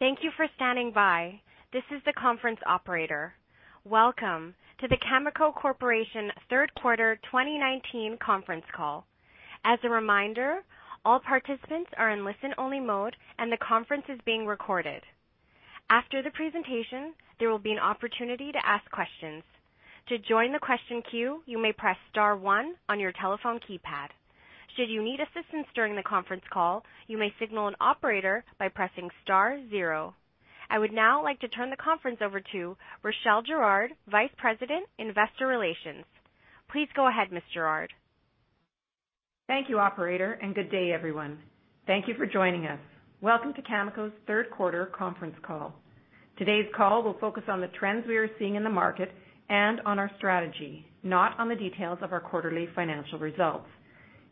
Thank you for standing by. This is the conference operator. Welcome to the Cameco Corporation Third Quarter 2019 Conference Call. As a reminder, all participants are in listen-only mode and the conference is being recorded. After the presentation, there will be an opportunity to ask questions. To join the question queue, you may press star one on your telephone keypad. Should you need assistance during the conference call, you may signal an operator by pressing star zero. I would now like to turn the conference over to Rachelle Girard, Vice President, Investor Relations. Please go ahead, Ms. Girard. Thank you, operator, and good day, everyone. Thank you for joining us. Welcome to Cameco's third quarter conference call. Today's call will focus on the trends we are seeing in the market and on our strategy, not on the details of our quarterly financial results.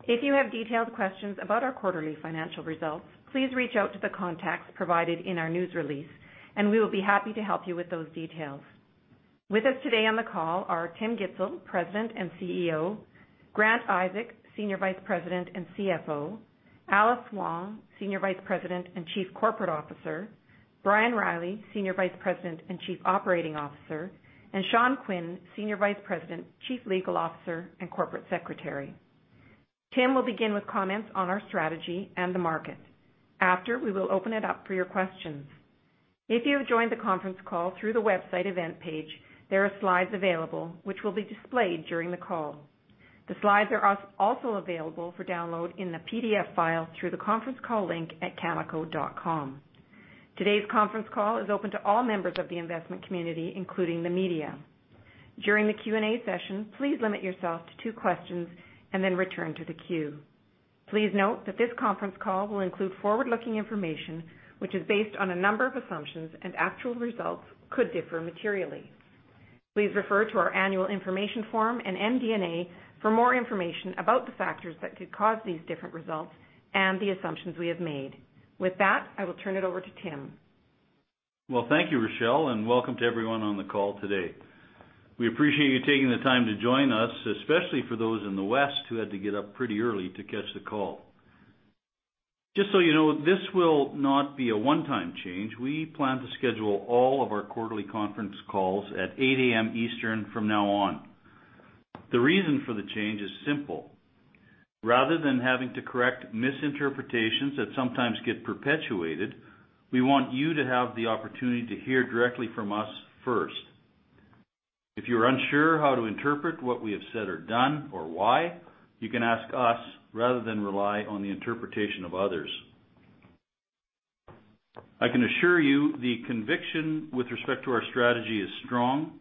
If you have detailed questions about our quarterly financial results, please reach out to the contacts provided in our news release, and we will be happy to help you with those details. With us today on the call are Tim Gitzel, President and CEO; Grant Isaac, Senior Vice President and CFO; Alice Wong, Senior Vice President and Chief Corporate Officer; Brian Reilly, Senior Vice President and Chief Operating Officer; and Sean Quinn, Senior Vice President, Chief Legal Officer, and Corporate Secretary. Tim will begin with comments on our strategy and the market. After, we will open it up for your questions. If you have joined the conference call through the website event page, there are slides available which will be displayed during the call. The slides are also available for download in a PDF file through the conference call link at cameco.com. Today's conference call is open to all members of the investment community, including the media. During the Q&A session, please limit yourself to two questions and then return to the queue. Please note that this conference call will include forward-looking information, which is based on a number of assumptions, and actual results could differ materially. Please refer to our annual information form and MD&A for more information about the factors that could cause these different results and the assumptions we have made. With that, I will turn it over to Tim. Well, thank you, Rachelle, and welcome to everyone on the call today. We appreciate you taking the time to join us, especially for those in the West who had to get up pretty early to catch the call. Just so you know, this will not be a one-time change. We plan to schedule all of our quarterly conference calls at 8:00 A.M. Eastern from now on. The reason for the change is simple. Rather than having to correct misinterpretations that sometimes get perpetuated, we want you to have the opportunity to hear directly from us first. If you're unsure how to interpret what we have said or done or why, you can ask us rather than rely on the interpretation of others. I can assure you the conviction with respect to our strategy is strong,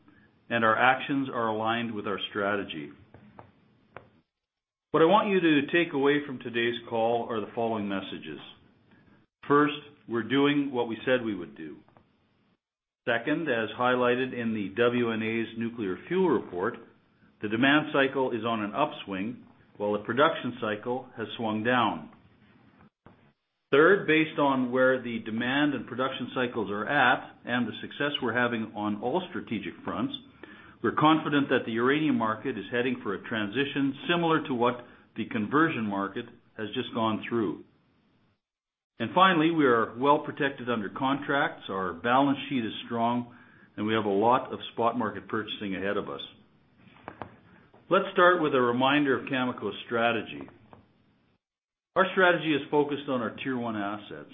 and our actions are aligned with our strategy. What I want you to take away from today's call are the following messages. First, we're doing what we said we would do. Second, as highlighted in the WNA's Nuclear Fuel Report, the demand cycle is on an upswing while the production cycle has swung down. Third, based on where the demand and production cycles are at and the success we're having on all strategic fronts, we're confident that the uranium market is heading for a transition similar to what the conversion market has just gone through. Finally, we are well protected under contracts, our balance sheet is strong, and we have a lot of spot market purchasing ahead of us. Let's start with a reminder of Cameco's strategy. Our strategy is focused on our Tier-one assets.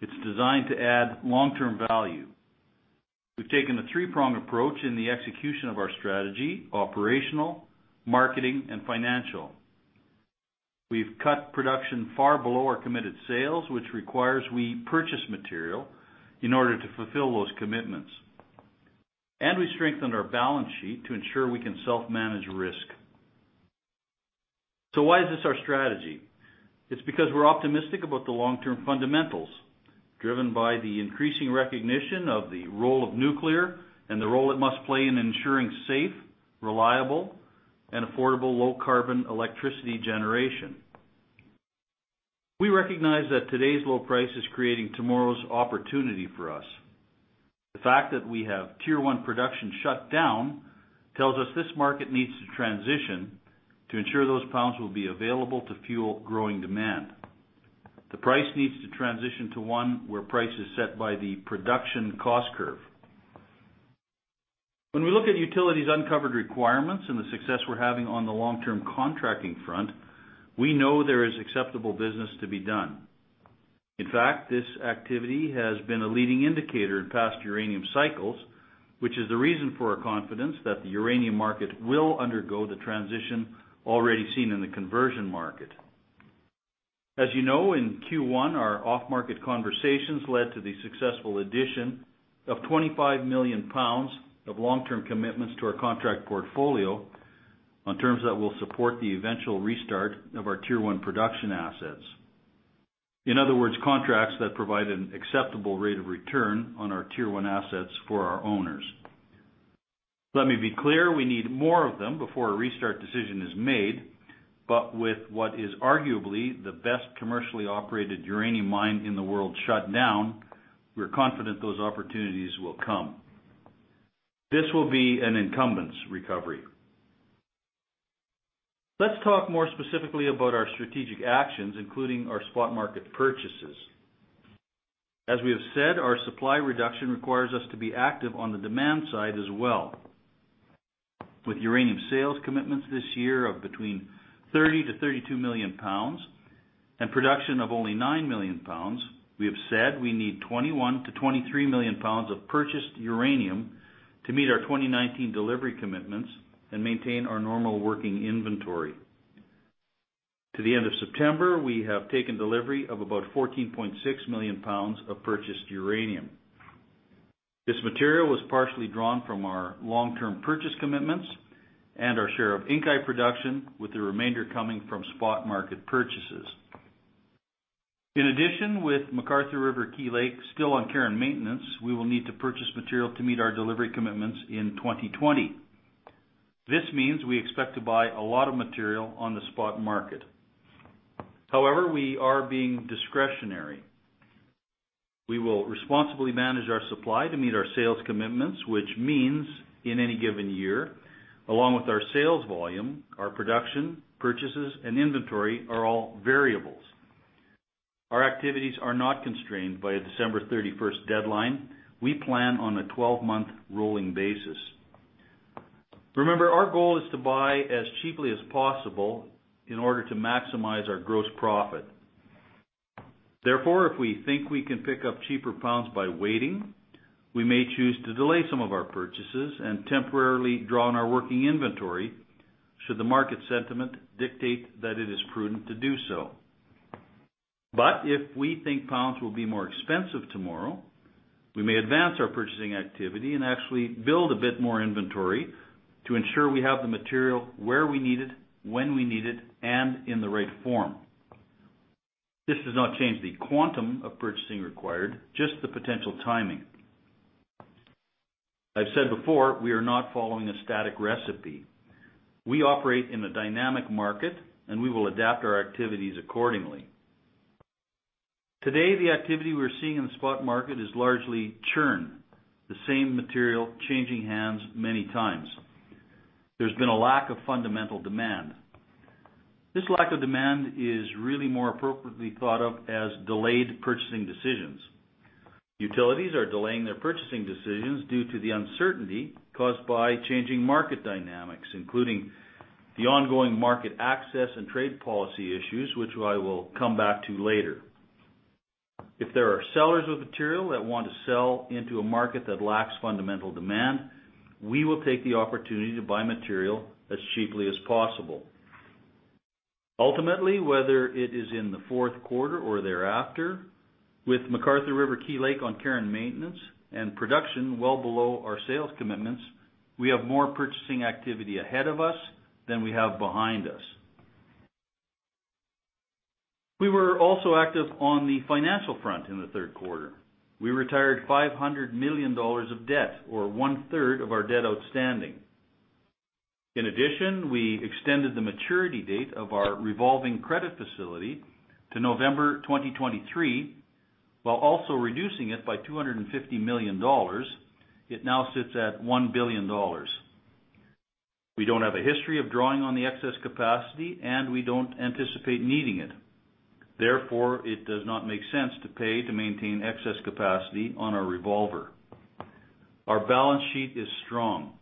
It's designed to add long-term value. We've taken a three-pronged approach in the execution of our strategy: operational, marketing, and financial. We've cut production far below our committed sales, which requires we purchase material in order to fulfill those commitments. We strengthened our balance sheet to ensure we can self-manage risk. Why is this our strategy? It's because we're optimistic about the long-term fundamentals, driven by the increasing recognition of the role of nuclear and the role it must play in ensuring safe, reliable, and affordable low-carbon electricity generation. We recognize that today's low price is creating tomorrow's opportunity for us. The fact that we have Tier-one production shut down tells us this market needs to transition to ensure those pounds will be available to fuel growing demand. The price needs to transition to one where price is set by the production cost curve. When we look at utilities' uncovered requirements and the success we're having on the long-term contracting front, we know there is acceptable business to be done. This activity has been a leading indicator in past uranium cycles, which is the reason for our confidence that the uranium market will undergo the transition already seen in the conversion market. As you know, in Q1, our off-market conversations led to the successful addition of 25 million pounds of long-term commitments to our contract portfolio on terms that will support the eventual restart of our Tier-one production assets. Contracts that provide an acceptable rate of return on our Tier-one assets for our owners. Let me be clear, we need more of them before a restart decision is made, but with what is arguably the best commercially operated uranium mine in the world shut down, we're confident those opportunities will come. This will be an incumbent's recovery. Let's talk more specifically about our strategic actions, including our spot market purchases. As we have said, our supply reduction requires us to be active on the demand side as well. With uranium sales commitments this year of between 30 million-32 million pounds, and production of only nine million pounds, we have said we need 21 million-23 million pounds of purchased uranium to meet our 2019 delivery commitments and maintain our normal working inventory. To the end of September, we have taken delivery of about 14.6 million pounds of purchased uranium. This material was partially drawn from our long-term purchase commitments and our share of Inkai production, with the remainder coming from spot market purchases. In addition, with McArthur River/Key Lake still on care and maintenance, we will need to purchase material to meet our delivery commitments in 2020. This means we expect to buy a lot of material on the spot market. However, we are being discretionary. We will responsibly manage our supply to meet our sales commitments, which means, in any given year, along with our sales volume, our production, purchases, and inventory are all variables. Our activities are not constrained by a December 31st deadline. We plan on a 12-month rolling basis. Remember, our goal is to buy as cheaply as possible in order to maximize our gross profit. Therefore, if we think we can pick up cheaper pounds by waiting, we may choose to delay some of our purchases and temporarily draw on our working inventory should the market sentiment dictate that it is prudent to do so. If we think pounds will be more expensive tomorrow, we may advance our purchasing activity and actually build a bit more inventory to ensure we have the material where we need it, when we need it, and in the right form. This does not change the quantum of purchasing required, just the potential timing. I've said before, we are not following a static recipe. We operate in a dynamic market, and we will adapt our activities accordingly. Today, the activity we're seeing in the spot market is largely churn, the same material changing hands many times. There's been a lack of fundamental demand. This lack of demand is really more appropriately thought of as delayed purchasing decisions. Utilities are delaying their purchasing decisions due to the uncertainty caused by changing market dynamics, including the ongoing market access and trade policy issues, which I will come back to later. If there are sellers of material that want to sell into a market that lacks fundamental demand, we will take the opportunity to buy material as cheaply as possible. Ultimately, whether it is in the fourth quarter or thereafter, with McArthur River/Key Lake on care and maintenance and production well below our sales commitments, we have more purchasing activity ahead of us than we have behind us. We were also active on the financial front in the third quarter. We retired 500 million dollars of debt, or one-third of our debt outstanding. In addition, we extended the maturity date of our revolving credit facility to November 2023, while also reducing it by 250 million dollars. It now sits at 1 billion dollars. We don't have a history of drawing on the excess capacity, and we don't anticipate needing it. Therefore, it does not make sense to pay to maintain excess capacity on our revolver. Our balance sheet is strong.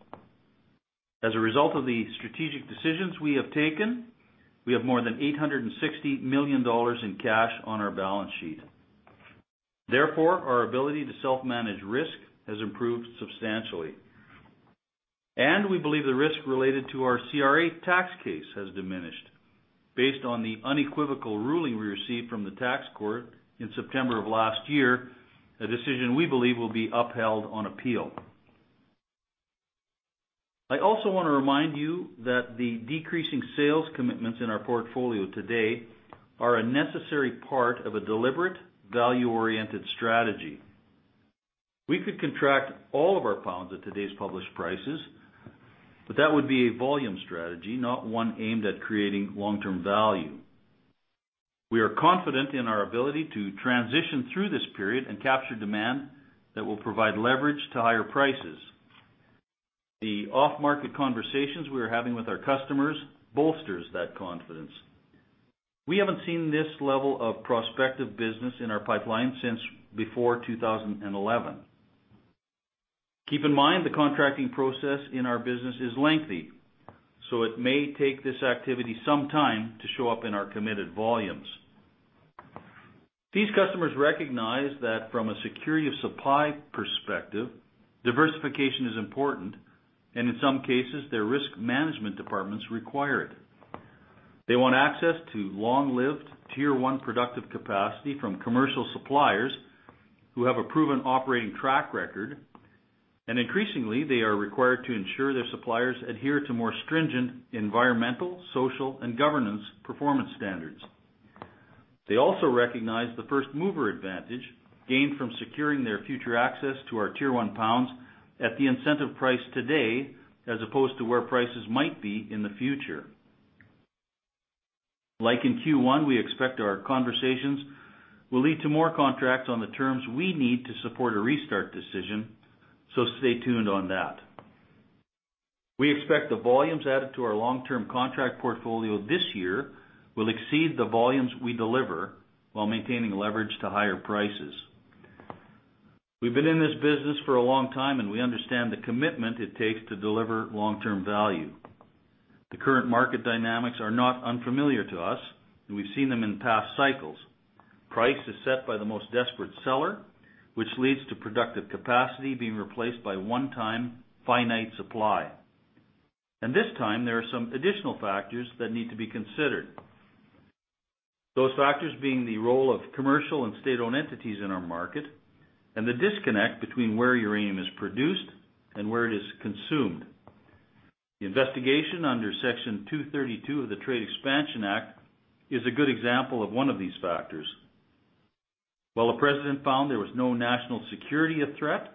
As a result of the strategic decisions we have taken, we have more than 860 million dollars in cash on our balance sheet. Therefore, our ability to self-manage risk has improved substantially. We believe the risk related to our CRA tax case has diminished based on the unequivocal ruling we received from the tax court in September of last year, a decision we believe will be upheld on appeal. I also want to remind you that the decreasing sales commitments in our portfolio today are a necessary part of a deliberate, value-oriented strategy. We could contract all of our pounds at today's published prices, but that would be a volume strategy, not one aimed at creating long-term value. We are confident in our ability to transition through this period and capture demand that will provide leverage to higher prices. The off-market conversations we are having with our customers bolsters that confidence. We haven't seen this level of prospective business in our pipeline since before 2011. Keep in mind, the contracting process in our business is lengthy, so it may take this activity some time to show up in our committed volumes. These customers recognize that from a security of supply perspective, diversification is important, and in some cases, their risk management departments require it. They want access to long-lived, Tier-one productive capacity from commercial suppliers who have a proven operating track record. Increasingly, they are required to ensure their suppliers adhere to more stringent environmental, social, and governance performance standards. They also recognize the first-mover advantage gained from securing their future access to our Tier-one pounds at the incentive price today as opposed to where prices might be in the future. Like in Q1, we expect our conversations will lead to more contracts on the terms we need to support a restart decision, so stay tuned on that. We expect the volumes added to our long-term contract portfolio this year will exceed the volumes we deliver while maintaining leverage to higher prices. We've been in this business for a long time, and we understand the commitment it takes to deliver long-term value. The current market dynamics are not unfamiliar to us, and we've seen them in past cycles. Price is set by the most desperate seller, which leads to productive capacity being replaced by one-time finite supply. This time, there are some additional factors that need to be considered. Those factors being the role of commercial and state-owned entities in our market and the disconnect between where uranium is produced and where it is consumed. The investigation under Section 232 of the Trade Expansion Act is a good example of one of these factors. While the President found there was no national security at threat,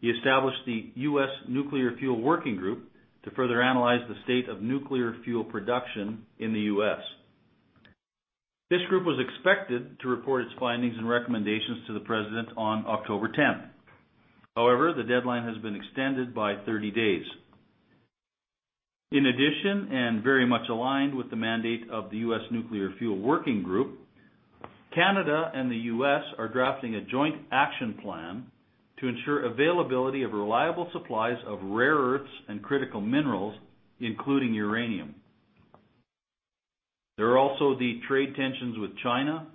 he established the U.S. Nuclear Fuel Working Group to further analyze the state of nuclear fuel production in the U.S. This group was expected to report its findings and recommendations to the President on October 10. However, the deadline has been extended by 30 days. In addition, and very much aligned with the mandate of the U.S. Nuclear Fuel Working Group, Canada and the U.S. are drafting a joint action plan to ensure availability of reliable supplies of rare earths and critical minerals, including uranium. There are also the trade tensions with China,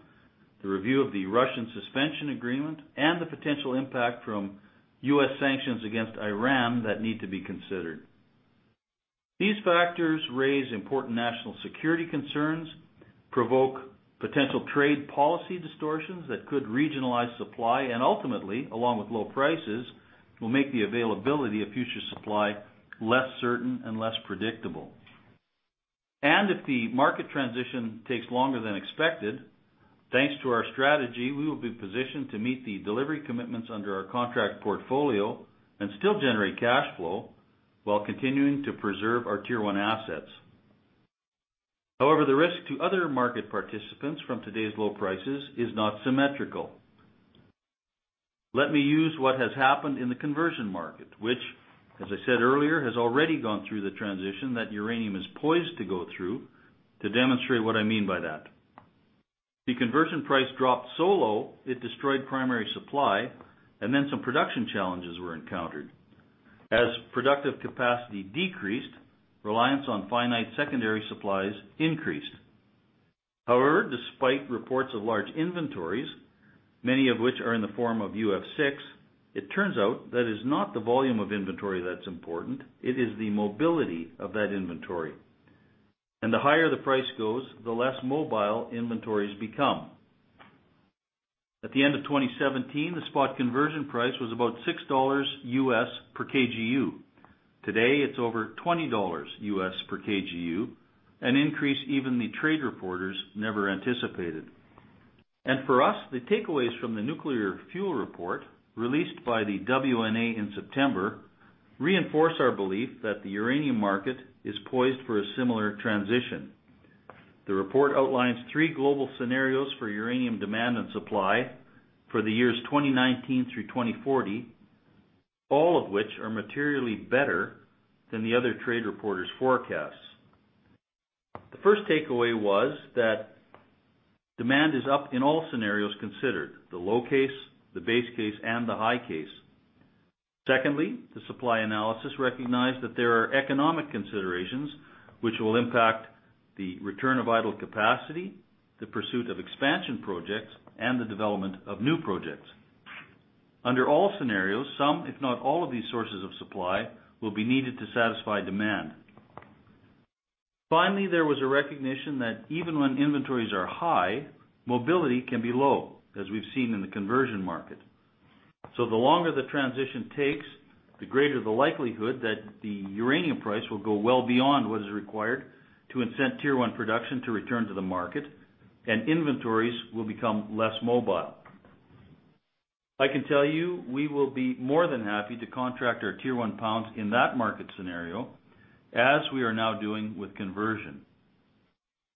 the review of the Russian suspension agreement, and the potential impact from U.S. sanctions against Iran that need to be considered. These factors raise important national security concerns, provoke potential trade policy distortions that could regionalize supply, and ultimately, along with low prices, will make the availability of future supply less certain and less predictable. If the market transition takes longer than expected, thanks to our strategy, we will be positioned to meet the delivery commitments under our contract portfolio and still generate cash flow while continuing to preserve our Tier-one assets. However, the risk to other market participants from today's low prices is not symmetrical. Let me use what has happened in the conversion market, which, as I said earlier, has already gone through the transition that uranium is poised to go through, to demonstrate what I mean by that. The conversion price dropped so low it destroyed primary supply, and then some production challenges were encountered. As productive capacity decreased, reliance on finite secondary supplies increased. However, despite reports of large inventories, many of which are in the form of UF6, it turns out that it's not the volume of inventory that's important, it is the mobility of that inventory. The higher the price goes, the less mobile inventories become. At the end of 2017, the spot conversion price was about $6 U.S. per KGU. Today, it's over $20 U.S. per KGU, an increase even the trade reporters never anticipated. For us, the takeaways from The Nuclear Fuel Report, released by the WNA in September, reinforce our belief that the uranium market is poised for a similar transition. The report outlines three global scenarios for uranium demand and supply for the years 2019 through 2040, all of which are materially better than the other trade reporters' forecasts. The first takeaway was that demand is up in all scenarios considered, the low case, the base case, and the high case. Secondly, the supply analysis recognized that there are economic considerations which will impact the return of idle capacity, the pursuit of expansion projects, and the development of new projects. Under all scenarios, some, if not all of these sources of supply will be needed to satisfy demand. Finally, there was a recognition that even when inventories are high, mobility can be low, as we've seen in the conversion market. The longer the transition takes, the greater the likelihood that the uranium price will go well beyond what is required to incent Tier-one production to return to the market, and inventories will become less mobile. I can tell you, we will be more than happy to contract our Tier-one pounds in that market scenario, as we are now doing with conversion.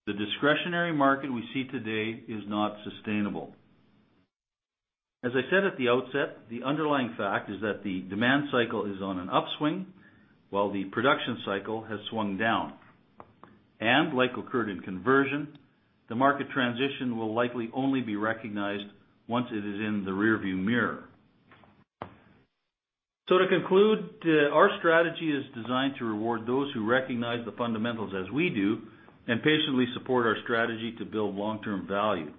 The discretionary market we see today is not sustainable. As I said at the outset, the underlying fact is that the demand cycle is on an upswing while the production cycle has swung down. Like occurred in conversion, the market transition will likely only be recognized once it is in the rear view mirror. To conclude, our strategy is designed to reward those who recognize the fundamentals as we do and patiently support our strategy to build long-term value.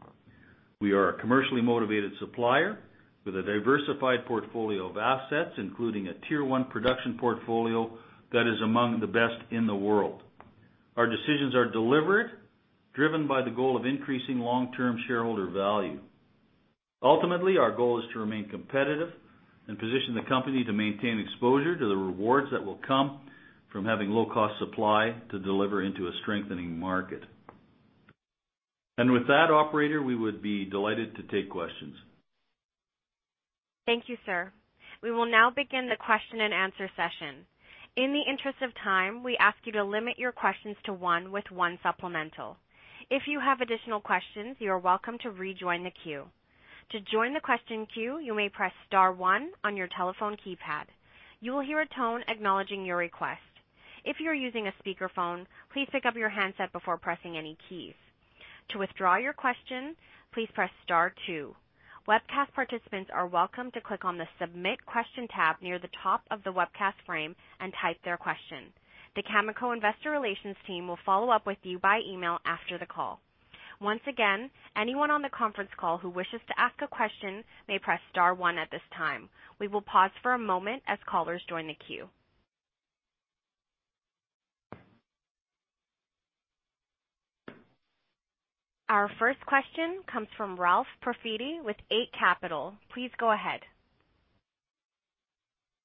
We are a commercially motivated supplier with a diversified portfolio of assets, including a Tier-one production portfolio that is among the best in the world. Our decisions are deliberate, driven by the goal of increasing long-term shareholder value. Ultimately, our goal is to remain competitive and position the company to maintain exposure to the rewards that will come from having low-cost supply to deliver into a strengthening market. With that, operator, we would be delighted to take questions Thank you, sir. We will now begin the question and answer session. In the interest of time, we ask you to limit your questions to one with one supplemental. If you have additional questions, you are welcome to rejoin the queue. To join the question queue, you may press star one on your telephone keypad. You will hear a tone acknowledging your request. If you are using a speakerphone, please pick up your handset before pressing any keys. To withdraw your question, please press star two. Webcast participants are welcome to click on the Submit Question tab near the top of the webcast frame and type their question. The Cameco investor relations team will follow up with you by email after the call. Once again, anyone on the conference call who wishes to ask a question may press star one at this time. We will pause for a moment as callers join the queue. Our first question comes from Ralph Profiti with Eight Capital. Please go ahead.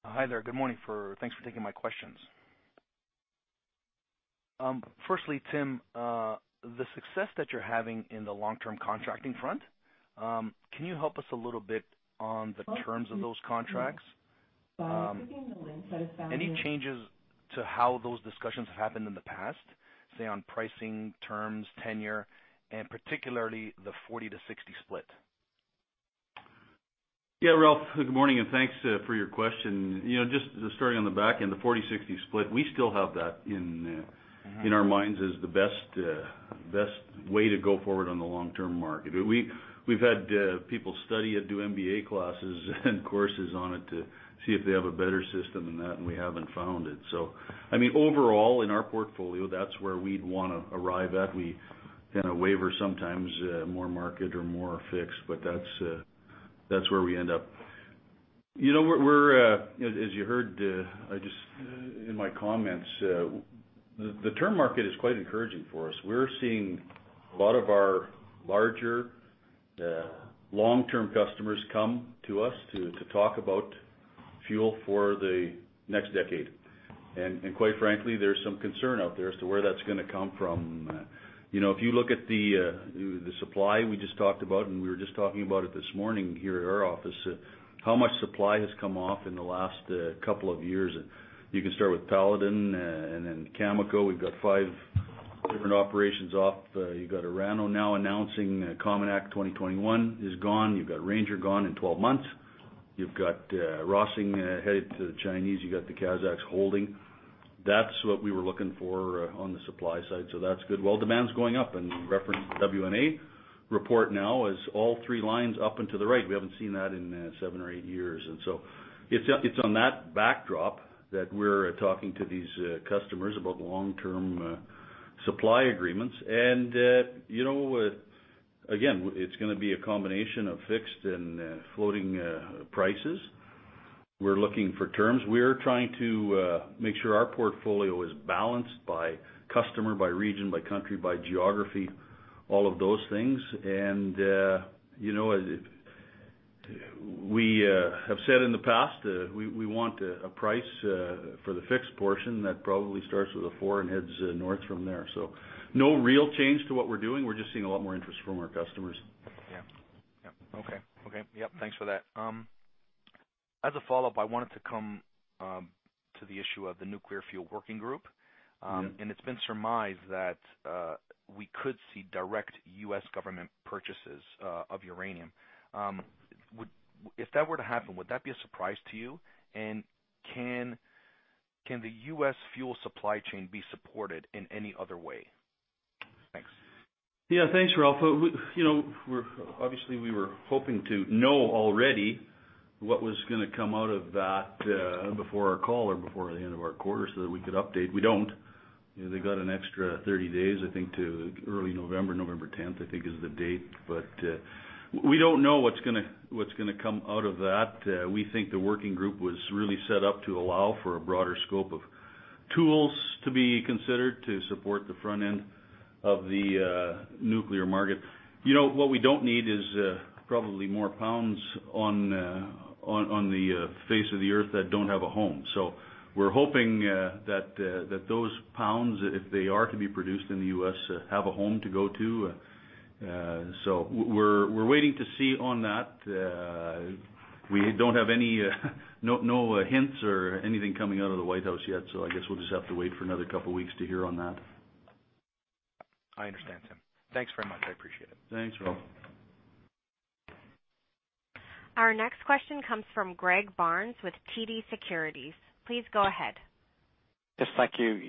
Hi there. Good morning. Thanks for taking my questions. Firstly, Tim, the success that you're having in the long-term contracting front, can you help us a little bit on the terms of those contracts? Any changes to how those discussions have happened in the past, say on pricing terms, tenure, and particularly the 40-60 split? Yeah, Ralph, good morning, and thanks for your question. Just starting on the back end, the 40/60 split, we still have that in our minds as the best way to go forward on the long-term market. We've had people study it, do MBA classes and courses on it to see if they have a better system than that, and we haven't found it. Overall, in our portfolio, that's where we'd want to arrive at. We waver sometimes more market or more fixed, but that's where we end up. As you heard in my comments, the term market is quite encouraging for us. We're seeing a lot of our larger long-term customers come to us to talk about fuel for the next decade. Quite frankly, there's some concern out there as to where that's going to come from. If you look at the supply we just talked about, and we were just talking about it this morning here at our office, how much supply has come off in the last couple of years. You can start with Paladin and then Cameco. We've got 5 different operations off. You've got Orano now announcing COMINAK 2021 is gone. You've got Ranger gone in 12 months. You've got Rössing headed to the Chinese. You've got the Kazakhs holding. That's what we were looking for on the supply side, so that's good. Well, demand's going up and reference WNA report now is all three lines up and to the right. We haven't seen that in 7 or 8 years. It's on that backdrop that we're talking to these customers about long-term supply agreements. Again, it's going to be a combination of fixed and floating prices. We're looking for terms. We're trying to make sure our portfolio is balanced by customer, by region, by country, by geography, all of those things. We have said in the past, we want a price for the fixed portion that probably starts with a four and heads north from there. No real change to what we're doing. We're just seeing a lot more interest from our customers. Yeah. Okay. Thanks for that. As a follow-up, I wanted to come to the issue of the Nuclear Fuel Working Group. It's been surmised that we could see direct U.S. government purchases of uranium. If that were to happen, would that be a surprise to you? Can the U.S. fuel supply chain be supported in any other way? Thanks. Thanks, Ralph. Obviously, we were hoping to know already what was going to come out of that before our call or before the end of our quarter so that we could update. We don't. They got an extra 30 days, I think, to early November. November 10th, I think, is the date. We don't know what's going to come out of that. We think the working group was really set up to allow for a broader scope of tools to be considered to support the front end of the nuclear market. What we don't need is probably more pounds on the face of the Earth that don't have a home. We're hoping that those pounds, if they are to be produced in the U.S., have a home to go to. We're waiting to see on that. We don't have any hints or anything coming out of the White House yet, so I guess we'll just have to wait for another couple of weeks to hear on that. I understand, Tim. Thanks very much. I appreciate it. Thanks, Ralph. Our next question comes from Greg Barnes with TD Securities. Please go ahead. Yes, thank you.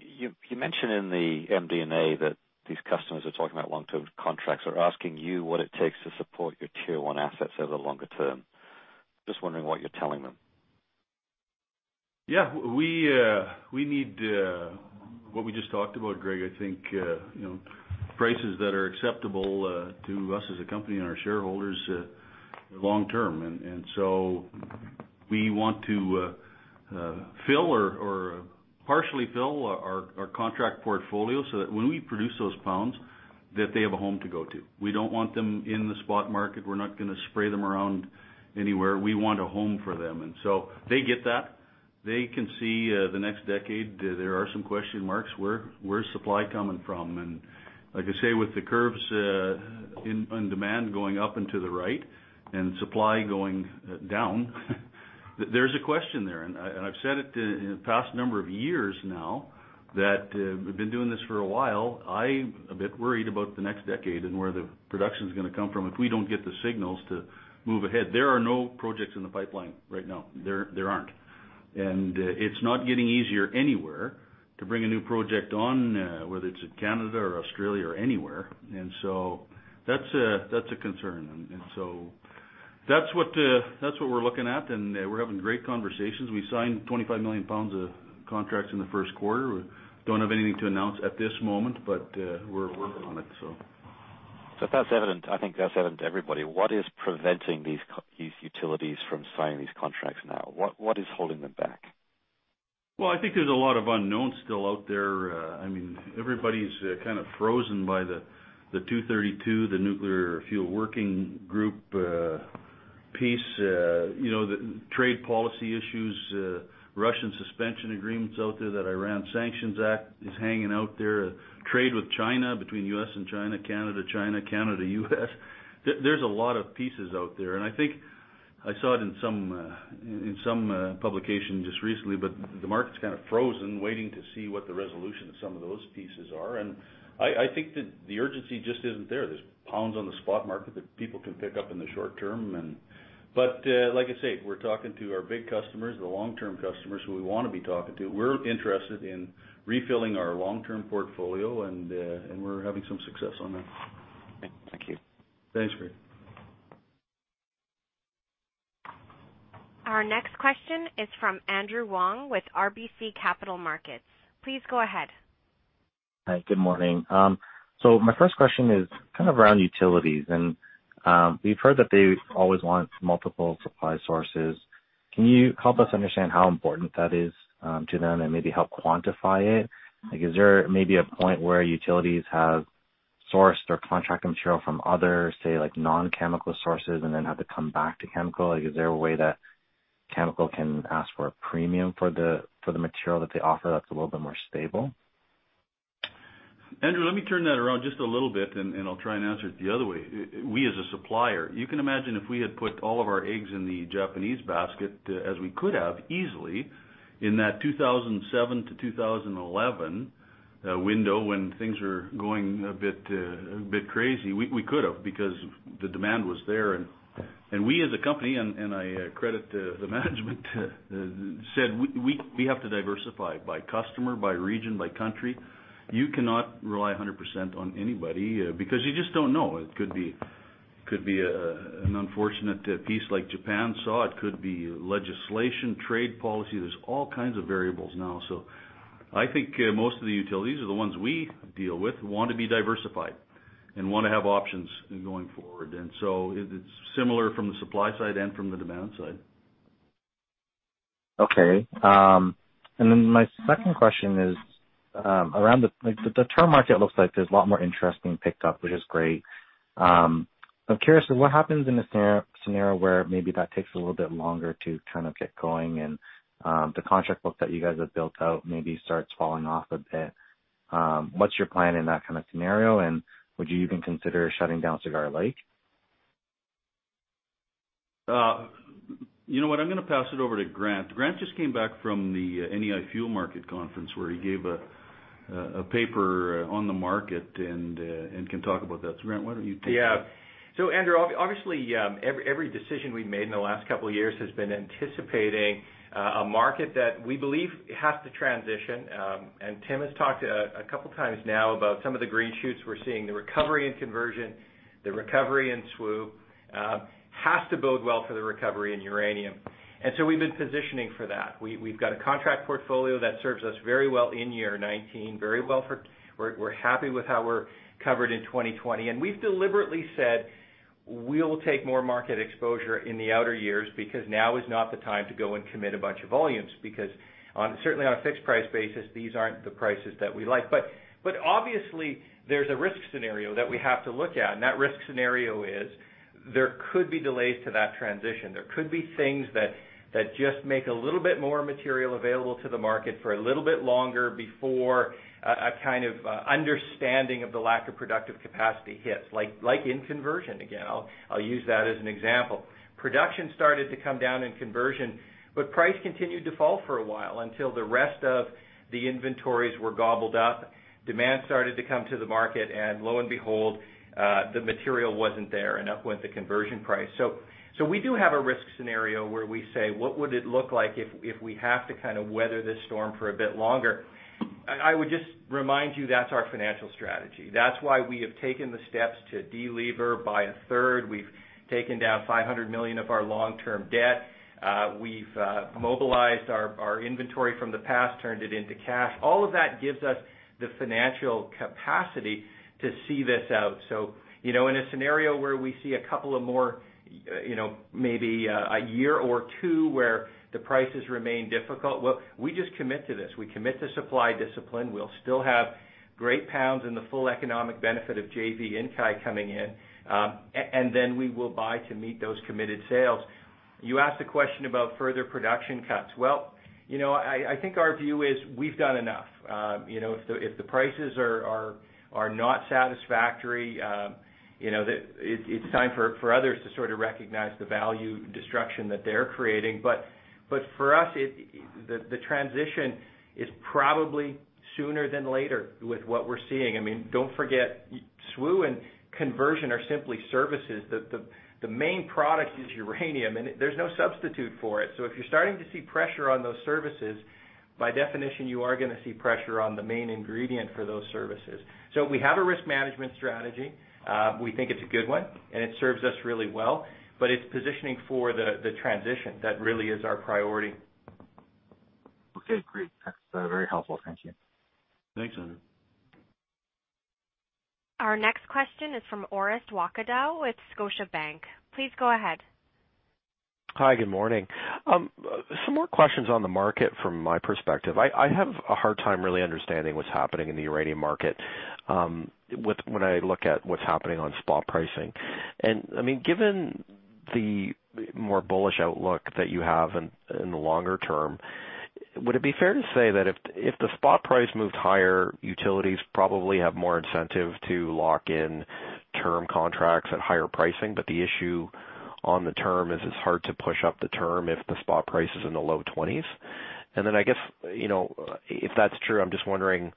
You mentioned in the MD&A that these customers are talking about long-term contracts, are asking you what it takes to support your Tier 1 assets over the longer term. Just wondering what you're telling them. Yeah. We need what we just talked about, Greg. I think prices that are acceptable to us as a company and our shareholders are long-term. We want to fill or partially fill our contract portfolio so that when we produce those pounds, that they have a home to go to. We don't want them in the spot market. We're not going to spray them around anywhere. We want a home for them. They can see the next decade, there are some question marks. Where's supply coming from? Like I say, with the curves on demand going up and to the right and supply going down, there's a question there, and I've said it in the past number of years now that we've been doing this for a while. I am a bit worried about the next decade and where the production's going to come from if we don't get the signals to move ahead. There are no projects in the pipeline right now. There aren't. It's not getting easier anywhere to bring a new project on, whether it's in Canada or Australia or anywhere. That's a concern. That's what we're looking at, and we're having great conversations. We signed 25 million pounds of contracts in the first quarter. We don't have anything to announce at this moment, but we're working on it. That's evident. I think that's evident to everybody. What is preventing these utilities from signing these contracts now? What is holding them back? Well, I think there's a lot of unknowns still out there. Everybody's kind of frozen by the 232, the Nuclear Fuel Working Group piece. The trade policy issues, Russian suspension agreements out there, that Iran Sanctions Act is hanging out there. Trade with China between U.S. and China, Canada, China, Canada, U.S. There's a lot of pieces out there, and I think I saw it in some publication just recently, but the market's kind of frozen, waiting to see what the resolution of some of those pieces are. I think that the urgency just isn't there. There's pounds on the spot market that people can pick up in the short term. Like I say, we're talking to our big customers, the long-term customers who we want to be talking to. We're interested in refilling our long-term portfolio, and we're having some success on that. Okay. Thank you. Thanks, Greg. Our next question is from Andrew Wong with RBC Capital Markets. Please go ahead. Hi, good morning. My first question is around utilities, and we've heard that they always want multiple supply sources. Can you help us understand how important that is to them and maybe help quantify it? Like, is there maybe a point where utilities have sourced or contract material from other, say, non-Cameco sources and then have to come back to Cameco? Is there a way that Cameco can ask for a premium for the material that they offer that's a little bit more stable? Andrew, let me turn that around just a little bit, and I'll try and answer it the other way. We, as a supplier, you can imagine if we had put all of our eggs in the Japanese basket, as we could have easily in that 2007 to 2011 window when things were going a bit crazy. We could have because the demand was there. We, as a company, and I credit the management, said we have to diversify by customer, by region, by country. You cannot rely 100% on anybody because you just don't know. It could be an unfortunate piece like Japan saw. It could be legislation, trade policy. There's all kinds of variables now. I think most of the utilities or the ones we deal with, want to be diversified and want to have options going forward. It's similar from the supply side and from the demand side. Okay. My second question is around the term market. Looks like there's a lot more interest being picked up, which is great. I'm curious what happens in a scenario where maybe that takes a little bit longer to get going and the contract book that you guys have built out maybe starts falling off a bit. What's your plan in that kind of scenario, and would you even consider shutting down Cigar Lake? You know what, I'm going to pass it over to Grant. Grant just came back from the Nuclear Fuel Supply Forum, where he gave a paper on the market and can talk about that. Grant, why don't you take that? Andrew, obviously, every decision we've made in the last couple of years has been anticipating a market that we believe has to transition. Tim has talked a couple of times now about some of the green shoots we're seeing, the recovery and conversion, the recovery in SWU, has to bode well for the recovery in uranium. We've been positioning for that. We've got a contract portfolio that serves us very well in year 2019. We're happy with how we're covered in 2020, we've deliberately said we'll take more market exposure in the outer years because now is not the time to go and commit a bunch of volumes. Certainly on a fixed price basis, these aren't the prices that we like. Obviously, there's a risk scenario that we have to look at, and that risk scenario is there could be delays to that transition. There could be things that just make a little bit more material available to the market for a little bit longer before a kind of understanding of the lack of productive capacity hits, like in conversion, again. I'll use that as an example. Production started to come down in conversion, but price continued to fall for a while until the rest of the inventories were gobbled up. Demand started to come to the market, and lo and behold, the material wasn't there, and up went the conversion price. We do have a risk scenario where we say, "What would it look like if we have to weather this storm for a bit longer?" I would just remind you, that's our financial strategy. That's why we have taken the steps to delever by a third. We've taken down 500 million of our long-term debt. We've mobilized our inventory from the past, turned it into cash. All of that gives us the financial capacity to see this out. In a scenario where we see a couple of more, maybe a year or two, where the prices remain difficult, well, we just commit to this. We commit to supply discipline. We'll still have great pounds and the full economic benefit of JV Inkai coming in. Then we will buy to meet those committed sales. You asked a question about further production cuts. Well, I think our view is we've done enough. If the prices are not satisfactory, it's time for others to sort of recognize the value destruction that they're creating. For us, the transition is probably sooner than later with what we're seeing. Don't forget, SWU and conversion are simply services. The main product is uranium, and there's no substitute for it. If you're starting to see pressure on those services, by definition, you are going to see pressure on the main ingredient for those services. We have a risk management strategy. We think it's a good one, and it serves us really well, but it's positioning for the transition that really is our priority. Okay, great. That's very helpful. Thank you. Thanks, Andrew. Our next question is from Orest Wowkodaw with Scotiabank. Please go ahead. Hi, good morning. Some more questions on the market from my perspective. I have a hard time really understanding what's happening in the uranium market when I look at what's happening on spot pricing. Given the more bullish outlook that you have in the longer term, would it be fair to say that if the spot price moved higher, utilities probably have more incentive to lock in term contracts at higher pricing, but the issue on the term is it's hard to push up the term if the spot price is in the low 20s? I guess, if that's true, I'm just wondering,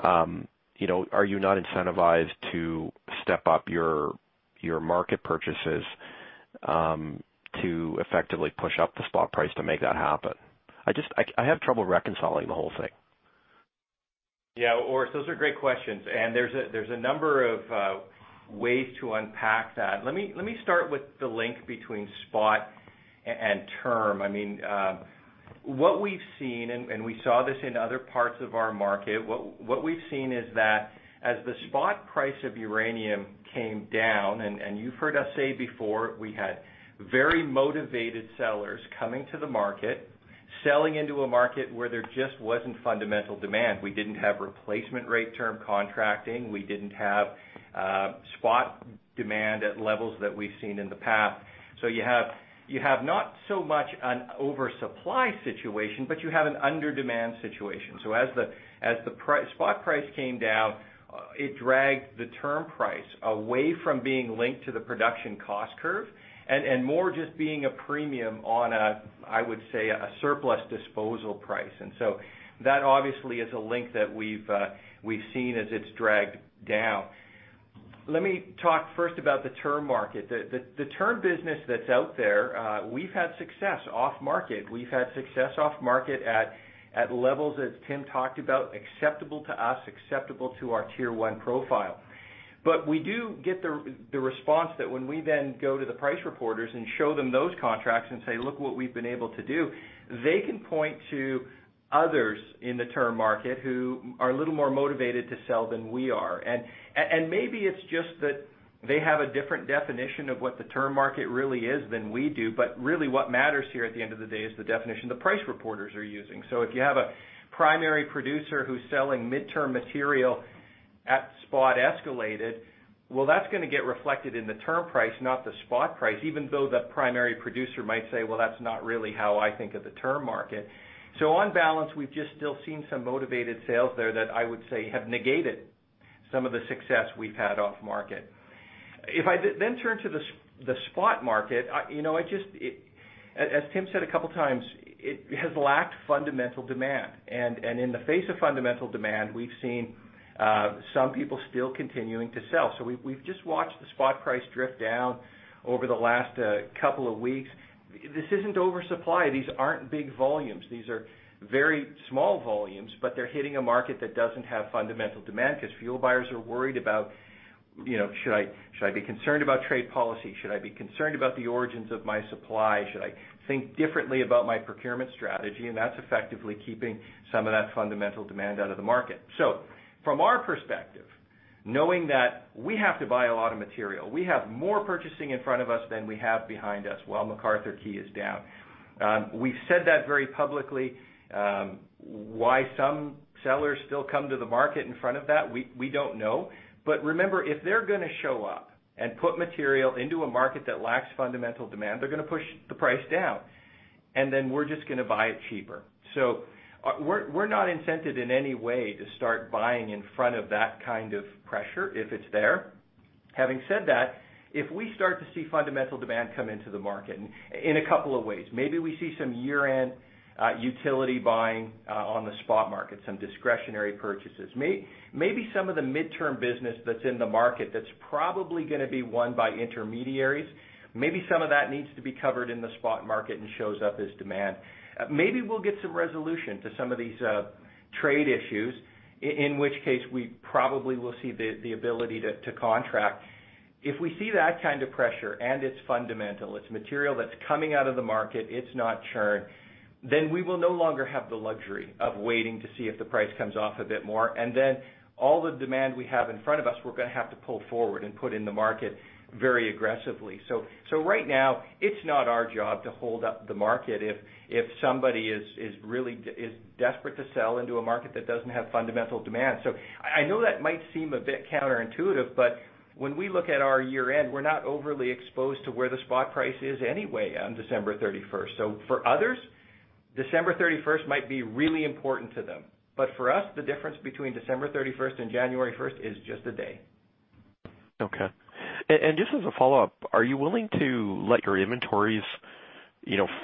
are you not incentivized to step up your market purchases to effectively push up the spot price to make that happen? I have trouble reconciling the whole thing. Yeah. Orest, those are great questions, and there's a number of ways to unpack that. Let me start with the link between spot and term. What we've seen, and we saw this in other parts of our market, what we've seen is that as the spot price of uranium came down, and you've heard us say before, we had very motivated sellers coming to the market, selling into a market where there just wasn't fundamental demand. We didn't have replacement rate term contracting. We didn't have spot demand at levels that we've seen in the past. You have not so much an oversupply situation, but you have an under-demand situation. As the spot price came down, it dragged the term price away from being linked to the production cost curve and more just being a premium on a, I would say, a surplus disposal price. That obviously is a link that we've seen as it's dragged down. Let me talk first about the term market. The term business that's out there, we've had success off-market. We've had success off-market at levels that Tim talked about, acceptable to us, acceptable to our Tier-one profile. We do get the response that when we then go to the price reporters and show them those contracts and say, "Look what we've been able to do," they can point to others in the term market who are a little more motivated to sell than we are. Maybe it's just that they have a different definition of what the term market really is than we do, really what matters here at the end of the day is the definition the price reporters are using. If you have a primary producer who's selling midterm material at spot escalated, well, that's going to get reflected in the term price, not the spot price, even though the primary producer might say, "Well, that's not really how I think of the term market." On balance, we've just still seen some motivated sales there that I would say have negated some of the success we've had off-market. If I then turn to the spot market, as Tim said a couple of times, it has lacked fundamental demand. In the face of fundamental demand, we've seen some people still continuing to sell. We've just watched the spot price drift down over the last couple of weeks. This isn't oversupply. These aren't big volumes. These are very small volumes, but they're hitting a market that doesn't have fundamental demand because fuel buyers are worried about, should I be concerned about trade policy? Should I be concerned about the origins of my supply? Should I think differently about my procurement strategy? That's effectively keeping some of that fundamental demand out of the market. From our perspective, knowing that we have to buy a lot of material. We have more purchasing in front of us than we have behind us while McArthur Key is down. We've said that very publicly. Why some sellers still come to the market in front of that, we don't know. Remember, if they're going to show up and put material into a market that lacks fundamental demand, they're going to push the price down, and then we're just going to buy it cheaper. We're not incented in any way to start buying in front of that kind of pressure if it's there. Having said that, if we start to see fundamental demand come into the market in a couple of ways. Maybe we see some year-end utility buying on the spot market, some discretionary purchases. Maybe some of the midterm business that's in the market that's probably going to be won by intermediaries. Maybe some of that needs to be covered in the spot market and shows up as demand. Maybe we'll get some resolution to some of these trade issues, in which case we probably will see the ability to contract. If we see that kind of pressure and it's fundamental, it's material that's coming out of the market, it's not churn, then we will no longer have the luxury of waiting to see if the price comes off a bit more, and then all the demand we have in front of us, we're going to have to pull forward and put in the market very aggressively. Right now, it's not our job to hold up the market if somebody is desperate to sell into a market that doesn't have fundamental demand. I know that might seem a bit counterintuitive, but when we look at our year-end, we're not overly exposed to where the spot price is anyway on December 31st. For others, December 31st might be really important to them. For us, the difference between December 31st and January 1st is just a day. Okay. Just as a follow-up, are you willing to let your inventories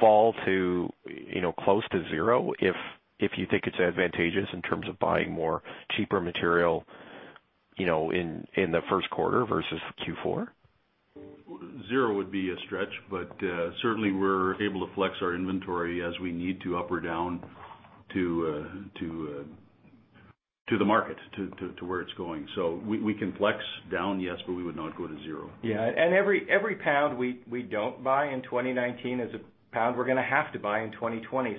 fall to close to zero if you think it's advantageous in terms of buying more cheaper material in the first quarter versus Q4? Zero would be a stretch, but certainly we're able to flex our inventory as we need to, up or down to the market, to where it's going. We can flex down, yes, but we would not go to zero. Yeah. Every pound we don't buy in 2019 is a pound we're going to have to buy in 2020.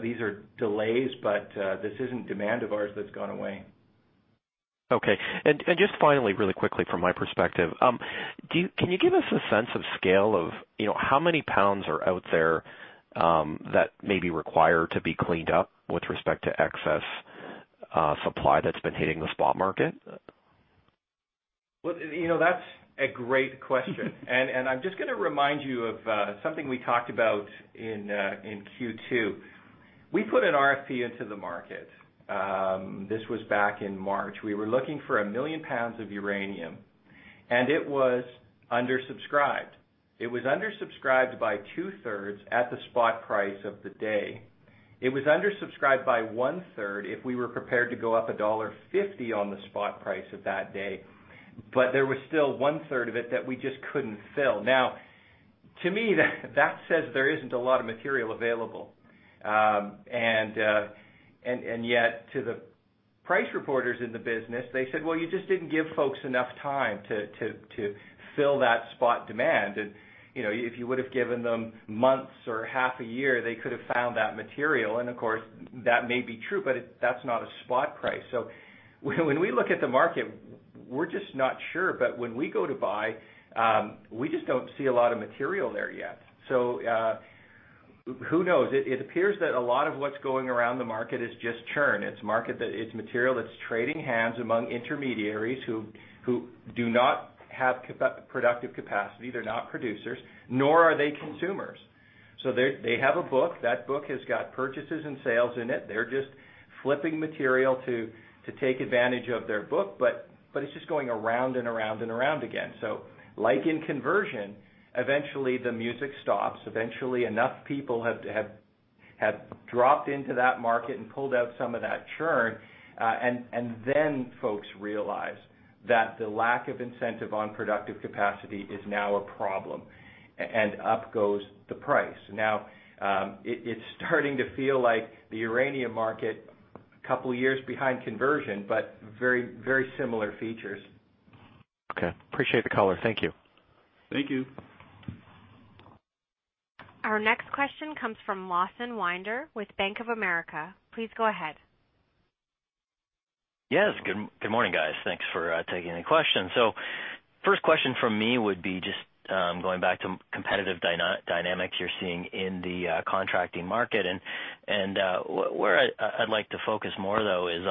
These are delays, but this isn't demand of ours that's gone away. Okay. Just finally, really quickly from my perspective, can you give us a sense of scale of how many pounds are out there that may be required to be cleaned up with respect to excess supply that's been hitting the spot market? Well, that's a great question. I'm just going to remind you of something we talked about in Q2. We put an RFP into the market. This was back in March. We were looking for 1 million pounds of uranium, and it was undersubscribed. It was undersubscribed by two-thirds at the spot price of the day. It was undersubscribed by one-third if we were prepared to go up $1.50 on the spot price of that day. There was still one-third of it that we just couldn't fill. Now, to me, that says there isn't a lot of material available. Yet, to the price reporters in the business, they said, "Well, you just didn't give folks enough time to fill that spot demand. If you would have given them months or half a year, they could have found that material. Of course, that may be true, but that's not a spot price. When we look at the market, we're just not sure. When we go to buy, we just don't see a lot of material there yet. Who knows? It appears that a lot of what's going around the market is just churn. It's material that's trading hands among intermediaries who do not have productive capacity. They're not producers, nor are they consumers. They have a book. That book has got purchases and sales in it. They're just flipping material to take advantage of their book, but it's just going around and around, and around again. Like in conversion, eventually the music stops. Eventually enough people have dropped into that market and pulled out some of that churn. Folks realize that the lack of incentive on productive capacity is now a problem, and up goes the price. Now, it's starting to feel like the uranium market, a couple of years behind conversion, but very similar features. Okay. Appreciate the color. Thank you. Thank you. Our next question comes from Lawson Winder with Bank of America. Please go ahead. Yes. Good morning, guys. Thanks for taking the question. First question from me would be just going back to competitive dynamics you're seeing in the contracting market. Where I'd like to focus more, though, is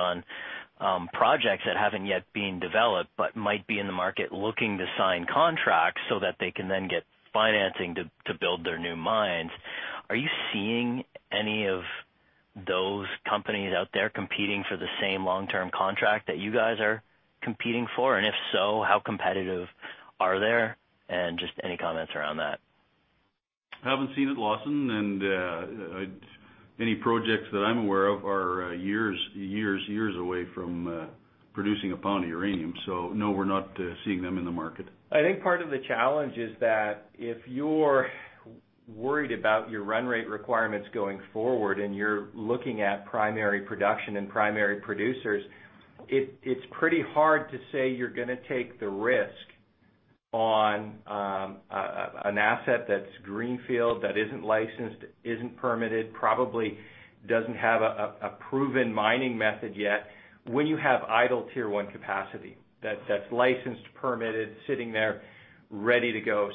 on projects that haven't yet been developed but might be in the market looking to sign contracts so that they can then get financing to build their new mines. Are you seeing any of those companies out there competing for the same long-term contract that you guys are competing for? If so, how competitive are they? Just any comments around that. Haven't seen it, Lawson, and any projects that I'm aware of are years away from producing a pound of uranium. No, we're not seeing them in the market. I think part of the challenge is that if you're worried about your run rate requirements going forward, and you're looking at primary production and primary producers, it's pretty hard to say you're going to take the risk on an asset that's greenfield, that isn't licensed, isn't permitted, probably doesn't have a proven mining method yet when you have idle Tier-one capacity that's licensed, permitted, sitting there ready to go.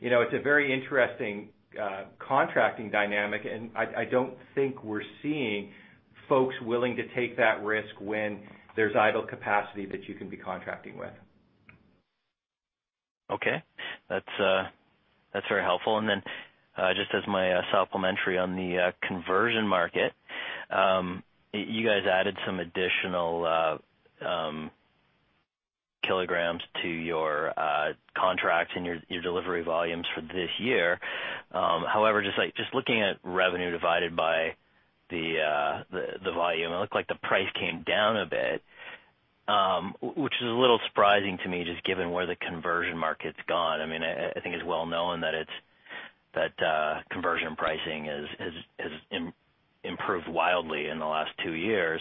It's a very interesting contracting dynamic, and I don't think we're seeing folks willing to take that risk when there's idle capacity that you can be contracting with. Okay. That's very helpful. Then just as my supplementary on the conversion market, you guys added some additional kilograms to your contract and your delivery volumes for this year. However, just looking at revenue divided by the volume, it looked like the price came down a bit, which is a little surprising to me just given where the conversion market's gone. I think it's well known that conversion pricing has improved wildly in the last two years.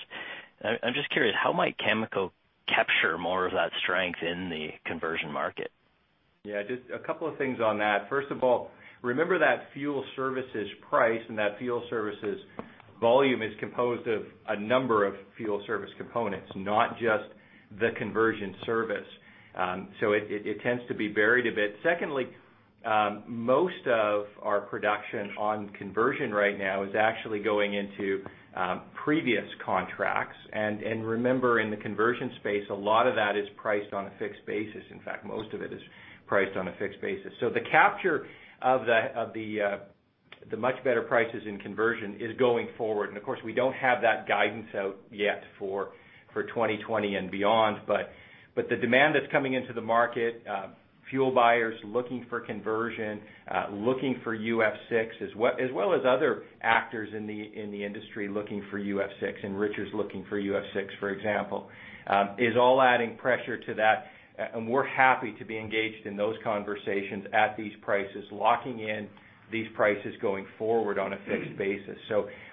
I'm just curious, how might Cameco capture more of that strength in the conversion market? Just a couple of things on that. First of all, remember that fuel services price and that fuel services volume is composed of a number of fuel service components, not just the conversion service. It tends to be buried a bit. Secondly, most of our production on conversion right now is actually going into previous contracts. Remember, in the conversion space, a lot of that is priced on a fixed basis. In fact, most of it is priced on a fixed basis. The capture of the much better prices in conversion is going forward. Of course, we don't have that guidance out yet for 2020 and beyond, but the demand that's coming into the market, fuel buyers looking for conversion, looking for UF6, as well as other actors in the industry looking for UF6, enrichers looking for UF6, for example, is all adding pressure to that. We're happy to be engaged in those conversations at these prices, locking in these prices going forward on a fixed basis.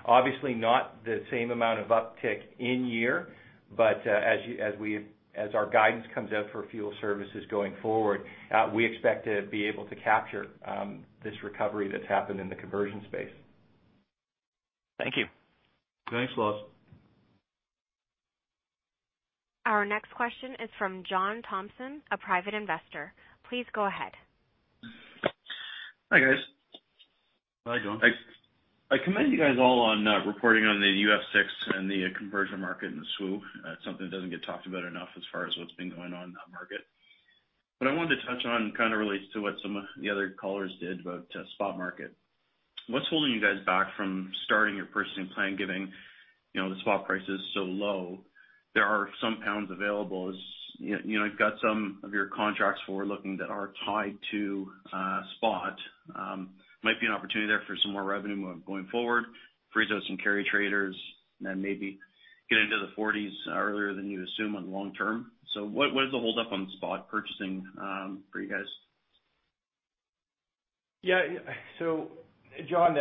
Obviously not the same amount of uptick in year, but as our guidance comes out for fuel services going forward, we expect to be able to capture this recovery that's happened in the conversion space. Thank you. Thanks, Lawson. Our next question is from John Thompson, a private investor. Please go ahead. Hi, guys. Hi, John. I commend you guys all on reporting on the UF6 and the conversion market in the SWU. It's something that doesn't get talked about enough as far as what's been going on in that market. What I wanted to touch on kind of relates to what some of the other callers did about spot market. What's holding you guys back from starting your purchasing plan, given the spot price is so low? There are some pounds available. You've got some of your contracts forward-looking that are tied to spot. Might be an opportunity there for some more revenue going forward, frees up some carry traders, and maybe get into the CAD 40s earlier than you assume on long-term. What is the holdup on spot purchasing for you guys? John,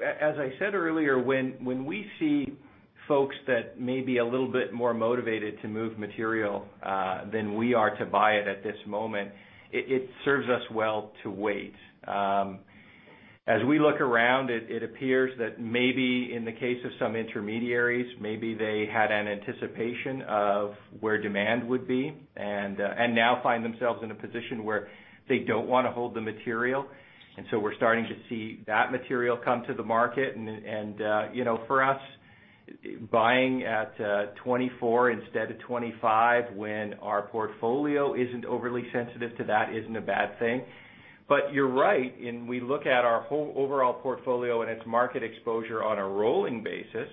as I said earlier, when we see folks that may be a little bit more motivated to move material than we are to buy it at this moment, it serves us well to wait. As we look around it appears that maybe in the case of some intermediaries, maybe they had an anticipation of where demand would be and now find themselves in a position where they don't want to hold the material. We're starting to see that material come to the market and, for us, buying at 24 instead of 25 when our portfolio isn't overly sensitive to that isn't a bad thing. You're right. We look at our whole overall portfolio and its market exposure on a rolling basis,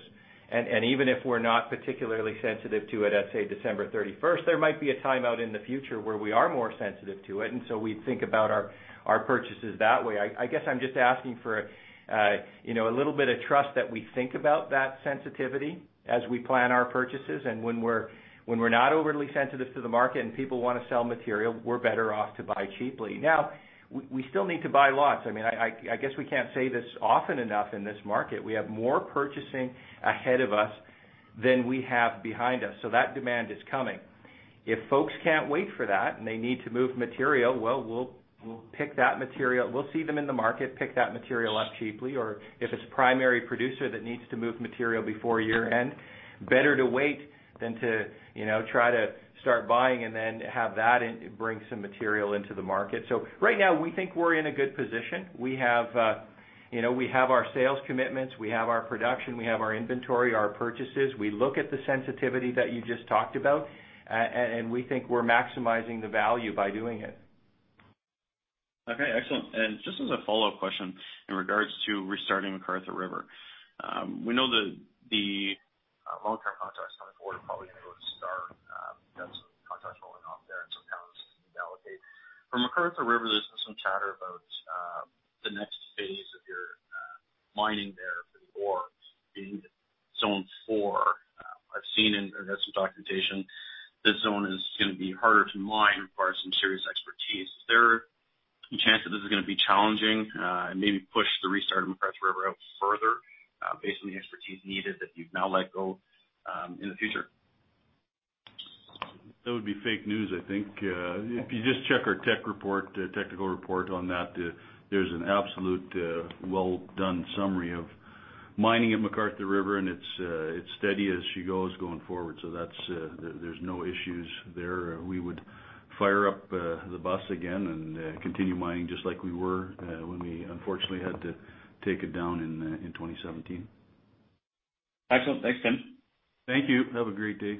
even if we're not particularly sensitive to it at, say, December 31st, there might be a time out in the future where we are more sensitive to it. We think about our purchases that way. I guess I'm just asking for a little bit of trust that we think about that sensitivity as we plan our purchases. When we're not overly sensitive to the market and people want to sell material, we're better off to buy cheaply. Now, we still need to buy lots. I guess we can't say this often enough in this market. We have more purchasing ahead of us than we have behind us. That demand is coming. If folks can't wait for that and they need to move material, well, we'll see them in the market, pick that material up cheaply. If it's a primary producer that needs to move material before year-end, better to wait than to try to start buying and then have that bring some material into the market. Right now, we think we're in a good position. We have our sales commitments. We have our production. We have our inventory, our purchases. We look at the sensitivity that you just talked about, and we think we're maximizing the value by doing it. Okay, excellent. Just as a follow-up question in regards to restarting McArthur River. We know that the long-term contracts coming forward are probably going to go to Star, because contracts rolling off there and some pounds to allocate. For McArthur River, there's been some chatter about the next phase of your mining there for the ore being zone 4. I've seen in some documentation this zone is going to be harder to mine, require some serious expertise. Is there a chance that this is going to be challenging and maybe push the restart of McArthur River out further based on the expertise needed that you've now let go in the future? That would be fake news, I think. If you just check our technical report on that, there's an absolute well-done summary of mining at McArthur River, and it's steady as she goes going forward. There's no issues there. We would fire up the bus again and continue mining just like we were when we unfortunately had to take it down in 2017. Excellent. Thanks, Tim. Thank you. Have a great day.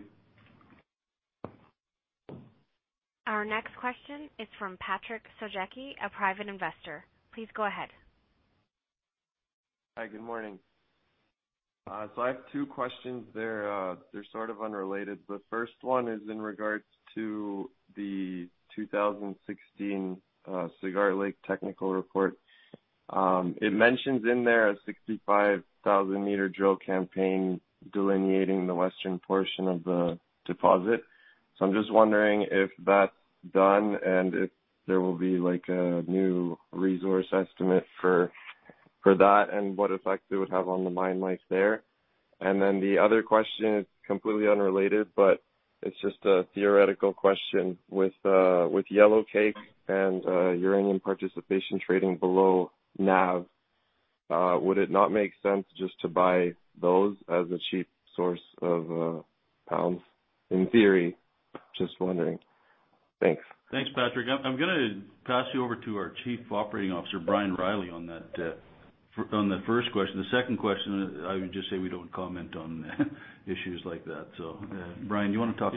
Our next question is from Patrick Sojecki, a private investor. Please go ahead. Hi, good morning. I have two questions. They're sort of unrelated. The first one is in regards to the 2016 Cigar Lake technical report. It mentions in there a 65,000-meter drill campaign delineating the western portion of the deposit. I'm just wondering if that's done and if there will be a new resource estimate for that and what effect it would have on the mine life there. The other question is completely unrelated, but it's just a theoretical question. With Yellowcake and Uranium Participation trading below NAV, would it not make sense just to buy those as a cheap source of pounds, in theory? Just wondering. Thanks. Thanks, Patrick. I'm going to pass you over to our Chief Operating Officer, Brian Reilly, on that. On the first question. The second question, I would just say we don't comment on issues like that. Brian, do you want to talk?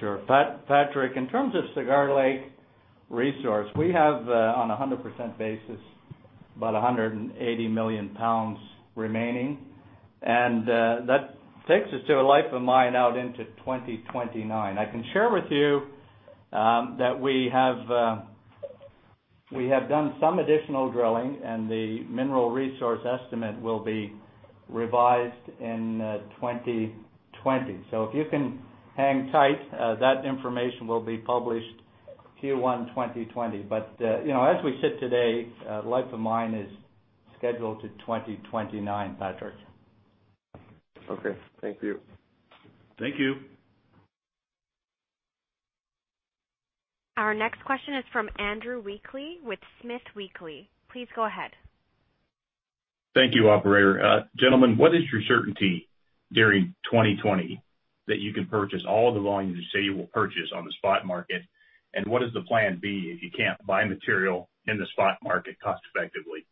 Sure, Patrick, in terms of Cigar Lake resource, we have, on 100% basis, about 180 million pounds remaining, that takes us to a life of mine out into 2029. I can share with you that we have done some additional drilling, the mineral resource estimate will be revised in 2020. If you can hang tight, that information will be published Q1 2020. As we sit today, life of mine is scheduled to 2029, Patrick. Okay, thank you. Thank you. Our next question is from Andrew Weekly with SmithWeekly Research. Please go ahead. Thank you, operator. Gentlemen, what is your certainty during 2020 that you can purchase all the volumes you say you will purchase on the spot market? What is the plan B if you can't buy material in the spot market cost effectively?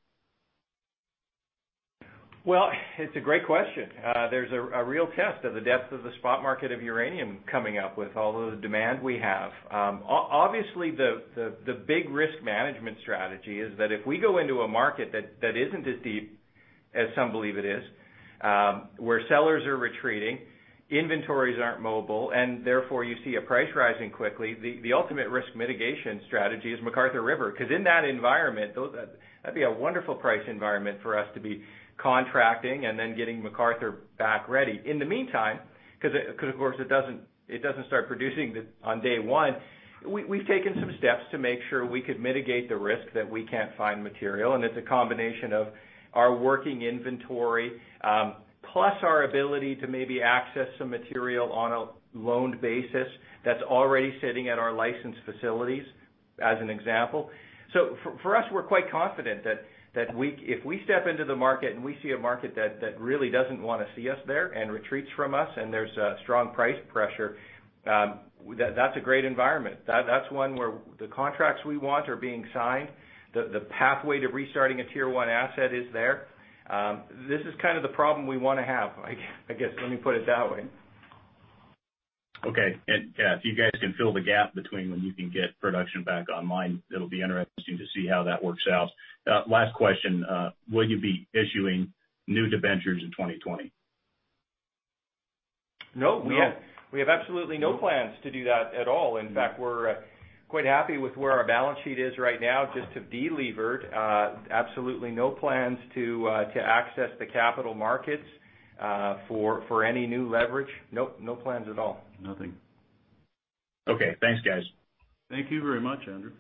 Well, it's a great question. There's a real test of the depth of the spot market of uranium coming up with all the demand we have. Obviously, the big risk management strategy is that if we go into a market that isn't as deep as some believe it is, where sellers are retreating, inventories aren't mobile, and therefore you see a price rising quickly, the ultimate risk mitigation strategy is McArthur River. In that environment, that'd be a wonderful price environment for us to be contracting and then getting McArthur back ready. In the meantime, because, of course, it doesn't start producing on day one, we've taken some steps to make sure we could mitigate the risk that we can't find material, and it's a combination of our working inventory, plus our ability to maybe access some material on a loaned basis that's already sitting at our licensed facilities, as an example. For us, we're quite confident that if we step into the market and we see a market that really doesn't want to see us there and retreats from us and there's strong price pressure, that's a great environment. That's one where the contracts we want are being signed. The pathway to restarting a Tier-one asset is there. This is kind of the problem we want to have, I guess. Let me put it that way. Okay. If you guys can fill the gap between when you can get production back online, it'll be interesting to see how that works out. Last question. Will you be issuing new debentures in 2020? No. We have absolutely no plans to do that at all. In fact, we're quite happy with where our balance sheet is right now, just to de-lever. Absolutely no plans to access the capital markets for any new leverage. No plans at all. Nothing. Okay. Thanks, guys. Thank you very much, Andrew.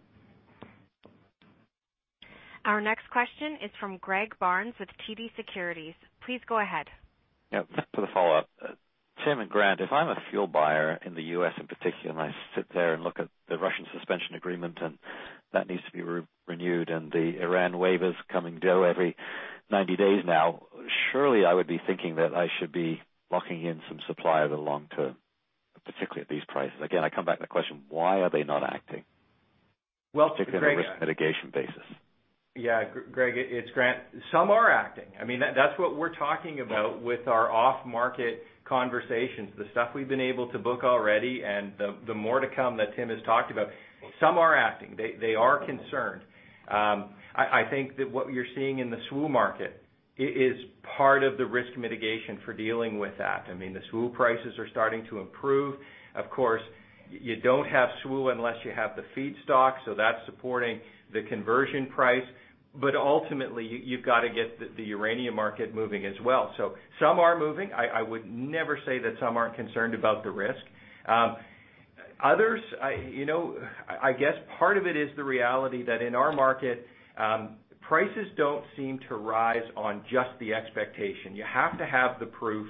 Our next question is from Greg Barnes with TD Securities. Please go ahead. Yep. For the follow-up. Tim and Grant, if I'm a fuel buyer in the U.S. in particular, and I sit there and look at the Russian Suspension Agreement and that needs to be renewed and the Iran waivers coming due every 90 days now, surely I would be thinking that I should be locking in some supply over the long term, particularly at these prices. Again, I come back to the question, why are they not acting? Well, Greg. Particularly on a risk mitigation basis. Greg, it's Grant. Some are acting. That's what we're talking about with our off-market conversations, the stuff we've been able to book already and the more to come that Tim has talked about. Some are acting. They are concerned. I think that what you're seeing in the SWU market is part of the risk mitigation for dealing with that. The SWU prices are starting to improve. Of course, you don't have SWU unless you have the feedstock, that's supporting the conversion price. Ultimately, you've got to get the uranium market moving as well. Some are moving. I would never say that some aren't concerned about the risk. Others, I guess part of it is the reality that in our market, prices don't seem to rise on just the expectation. You have to have the proof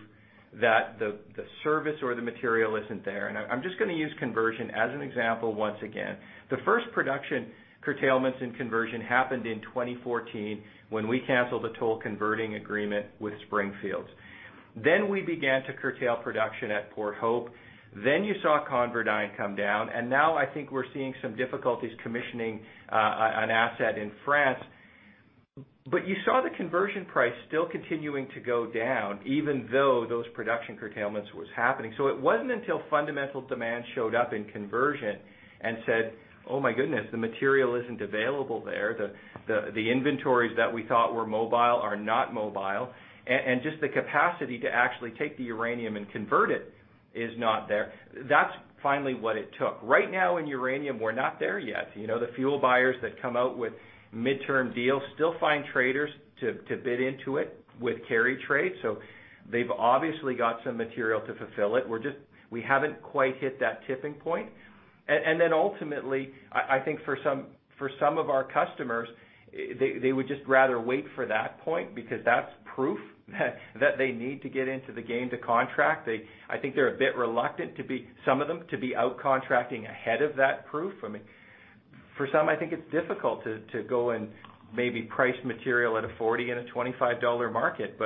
that the service or the material isn't there. I'm just going to use conversion as an example once again. The first production curtailments in conversion happened in 2014 when we canceled the toll converting agreement with Springfields. We began to curtail production at Port Hope. You saw Comurhex come down, and now I think we're seeing some difficulties commissioning an asset in France. You saw the conversion price still continuing to go down, even though those production curtailments was happening. It wasn't until fundamental demand showed up in conversion and said, "Oh my goodness. The material isn't available there. The inventories that we thought were mobile are not mobile, and just the capacity to actually take the uranium and convert it is not there." That's finally what it took. Right now in uranium, we're not there yet. The fuel buyers that come out with mid-term deals still find traders to bid into it with carry trade, they've obviously got some material to fulfill it. We haven't quite hit that tipping point. Ultimately, I think for some of our customers, they would just rather wait for that point because that's proof that they need to get into the game to contract. I think they're a bit reluctant, some of them, to be out contracting ahead of that proof. For some, I think it's difficult to go and maybe price material at a 40 in a 25 dollar market.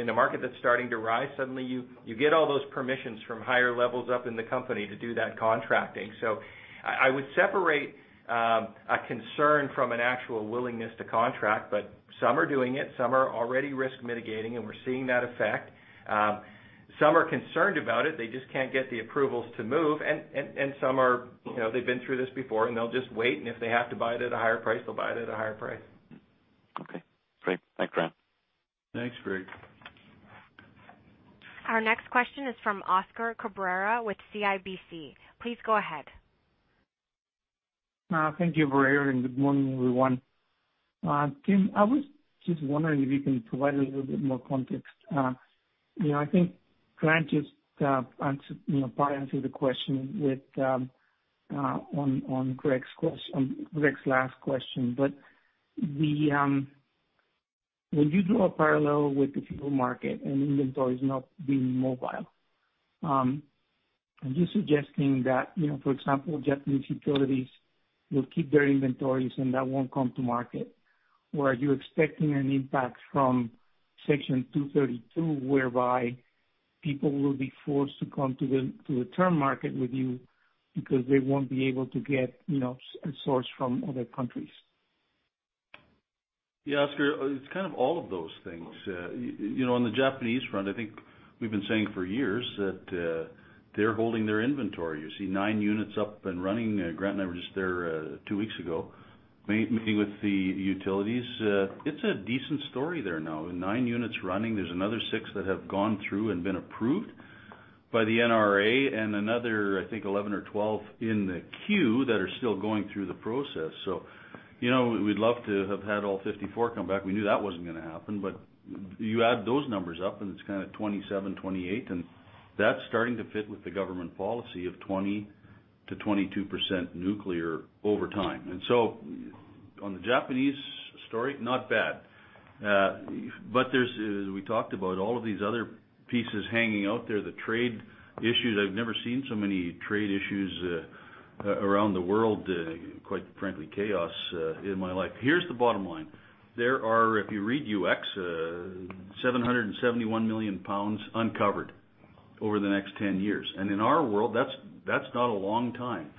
In a market that's starting to rise, suddenly you get all those permissions from higher levels up in the company to do that contracting. I would separate a concern from an actual willingness to contract, but some are doing it. Some are already risk mitigating, and we're seeing that effect. Some are concerned about it. They just can't get the approvals to move, and some are, they've been through this before, and they'll just wait, and if they have to buy it at a higher price, they'll buy it at a higher price. Okay, great. Thanks, Grant. Thanks, Greg. Our next question is from Oscar Cabrera with CIBC. Please go ahead. Thank you for hearing. Good morning, everyone. Tim, I was just wondering if you can provide a little bit more context. I think Grant just part answered the question on Greg's last question. When you draw a parallel with the fuel market and inventory is not being mobile, are you suggesting that, for example, Japanese utilities will keep their inventories and that won't come to market? Are you expecting an impact from Section 232, whereby people will be forced to come to the term market with you because they won't be able to get a source from other countries? Yeah, Oscar, it's kind of all of those things. On the Japanese front, I think we've been saying for years that they're holding their inventory. You see nine units up and running. Grant and I were just there two weeks ago meeting with the utilities. It's a decent story there now. Nine units running. There's another six that have gone through and been approved by the NRA and another, I think, 11 or 12 in the queue that are still going through the process. We'd love to have had all 54 come back. We knew that wasn't going to happen. You add those numbers up, and it's kind of 27, 28, and that's starting to fit with the government policy of 20%-22% nuclear over time. On the Japanese story, not bad. There's, as we talked about, all of these other pieces hanging out there, the trade issues. I've never seen so many trade issues around the world, quite frankly, chaos, in my life. Here's the bottom line. There are, if you read UxC, 771 million pounds uncovered over the next 10 years. In our world, that's not a long time.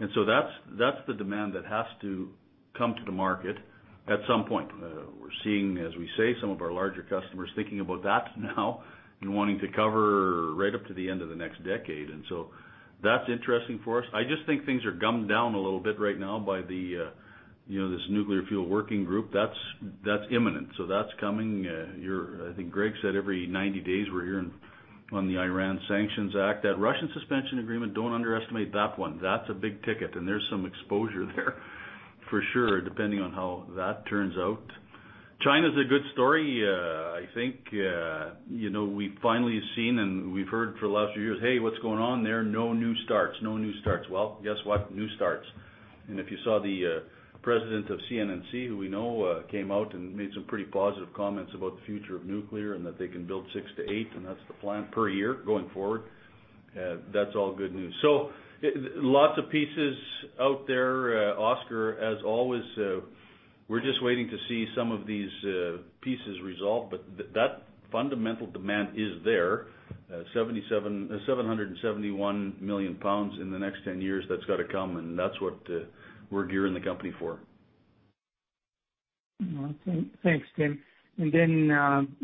That's the demand that has to come to the market at some point. We're seeing, as we say, some of our larger customers thinking about that now and wanting to cover right up to the end of the next decade. That's interesting for us. I just think things are gummed down a little bit right now by this Nuclear Fuel Working Group. That's imminent. That's coming. I think Greg said every 90 days we're hearing on the Iran Sanctions Act. That Russian suspension agreement, don't underestimate that one. That's a big ticket, and there's some exposure there for sure, depending on how that turns out. China's a good story. I think we've finally seen, and we've heard for the last few years, "Hey, what's going on there?" No new starts. Well, guess what? New starts. If you saw the president of CNNC, who we know came out and made some pretty positive comments about the future of nuclear and that they can build six to eight, and that's the plan per year going forward. That's all good news. Lots of pieces out there, Oscar. As always, we're just waiting to see some of these pieces resolved. That fundamental demand is there, 771 million pounds in the next 10 years. That's got to come, and that's what we're gearing the company for. Thanks, Tim.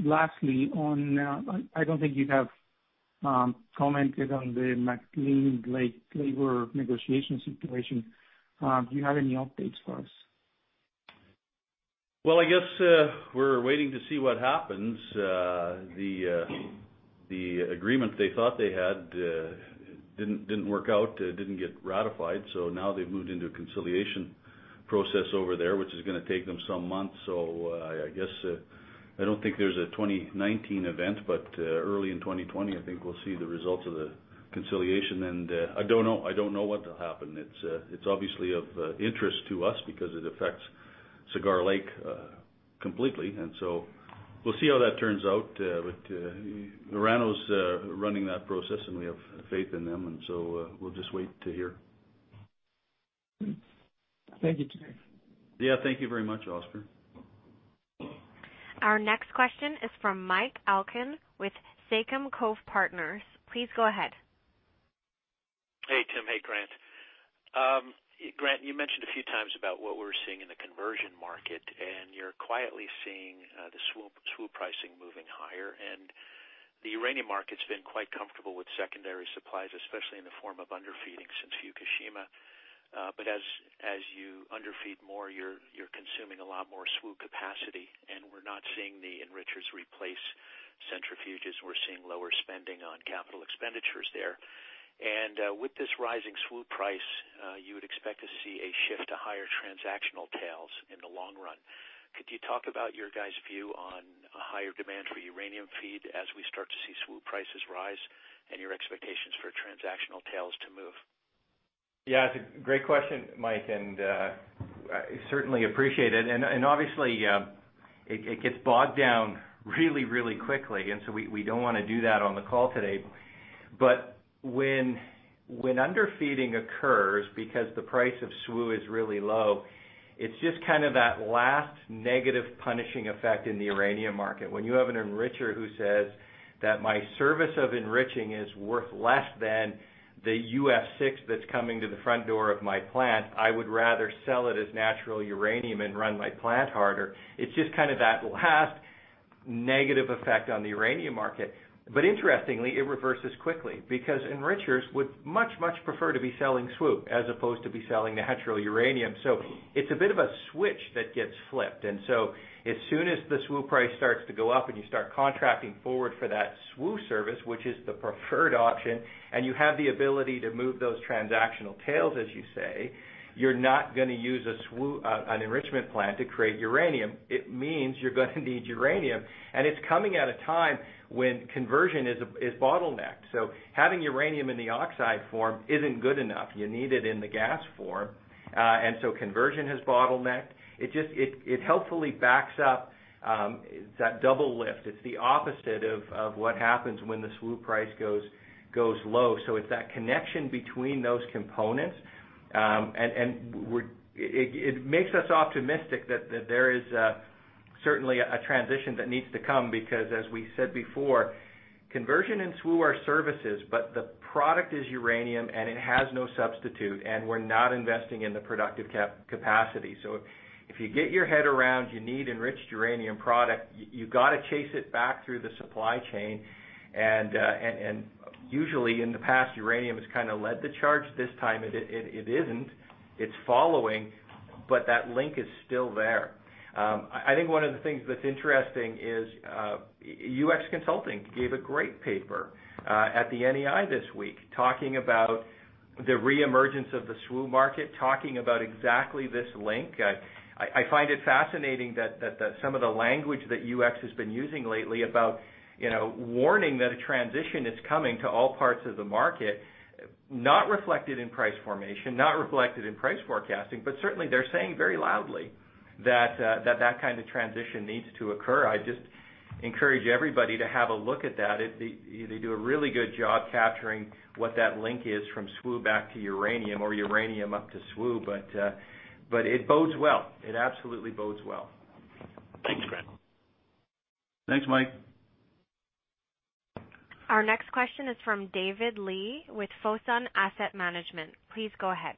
Lastly on, I don't think you have commented on the McClean Lake labor negotiation situation. Do you have any updates for us? Well, I guess we're waiting to see what happens. The agreement they thought they had didn't work out. It didn't get ratified. Now they've moved into a conciliation process over there, which is going to take them some months. I guess I don't think there's a 2019 event, but early in 2020, I think we'll see the results of the conciliation. I don't know what will happen. It's obviously of interest to us because it affects Cigar Lake completely. We'll see how that turns out with Orano running that process, and we have faith in them, we'll just wait to hear. Thank you, Tim. Yeah, thank you very much, Oscar. Our next question is from Mike Alkin with Sachem Cove Partners. Please go ahead. Hey, Tim. Hey, Grant. Grant, you mentioned a few times about what we're seeing in the conversion market, and you're quietly seeing the SWU pricing moving higher, and the uranium market's been quite comfortable with secondary supplies, especially in the form of underfeeding since Fukushima. As you underfeed more, you're consuming a lot more SWU capacity, and we're not seeing the enrichers replace centrifuges. We're seeing lower spending on capital expenditures there. With this rising SWU price, you would expect to see a shift to higher transactional tails in the long run. Could you talk about your guys' view on a higher demand for uranium feed as we start to see SWU prices rise and your expectations for transactional tails to move? Yeah, it's a great question, Mike, and I certainly appreciate it. Obviously, it gets bogged down really quickly. We don't want to do that on the call today. When underfeeding occurs because the price of SWU is really low, it's just that last negative punishing effect in the uranium market. When you have an enricher who says that my service of enriching is worth less than the UF6 that's coming to the front door of my plant, I would rather sell it as natural uranium and run my plant harder. It's just that last negative effect on the uranium market. Interestingly, it reverses quickly because enrichers would much, much prefer to be selling SWU as opposed to be selling natural uranium. It's a bit of a switch that gets flipped. As soon as the SWU price starts to go up and you start contracting forward for that SWU service, which is the preferred option, and you have the ability to move those transactional tails, as you say, you're not going to use an enrichment plant to create uranium. It means you're going to need uranium, and it's coming at a time when conversion is bottlenecked. Having uranium in the oxide form isn't good enough. You need it in the gas form. Conversion has bottlenecked. It helpfully backs up that double lift. It's the opposite of what happens when the SWU price goes low. It's that connection between those components, and it makes us optimistic that there is certainly a transition that needs to come because, as we said before, conversion and SWU are services, but the product is uranium, and it has no substitute, and we're not investing in the productive capacity. If you get your head around you need enriched uranium product, you got to chase it back through the supply chain. Usually, in the past, uranium has led the charge. This time it isn't. It's following. That link is still there. I think one of the things that's interesting is, UxC gave a great paper at the NEI this week talking about the reemergence of the SWU market, talking about exactly this link. I find it fascinating that some of the language that UxC has been using lately about warning that a transition is coming to all parts of the market, not reflected in price formation, not reflected in price forecasting, certainly, they're saying very loudly that that kind of transition needs to occur. I just encourage everybody to have a look at that. They do a really good job capturing what that link is from SWU back to uranium or uranium up to SWU. It bodes well. It absolutely bodes well. Thanks, Grant. Thanks, Mike. Our next question is from David Li with Fosun Asset Management. Please go ahead.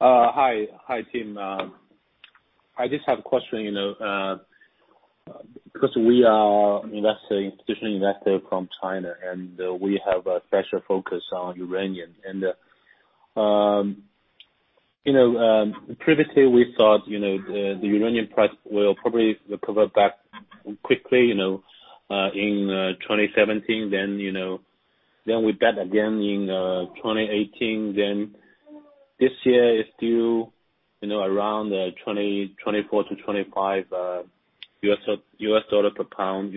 Hi, Tim. I just have a question, because we are an institutional investor from China, and we have a special focus on uranium. Previously we thought the uranium price will probably recover back quickly in 2017, then with that again in 2018, then this year it's due around $24-$25 per pound.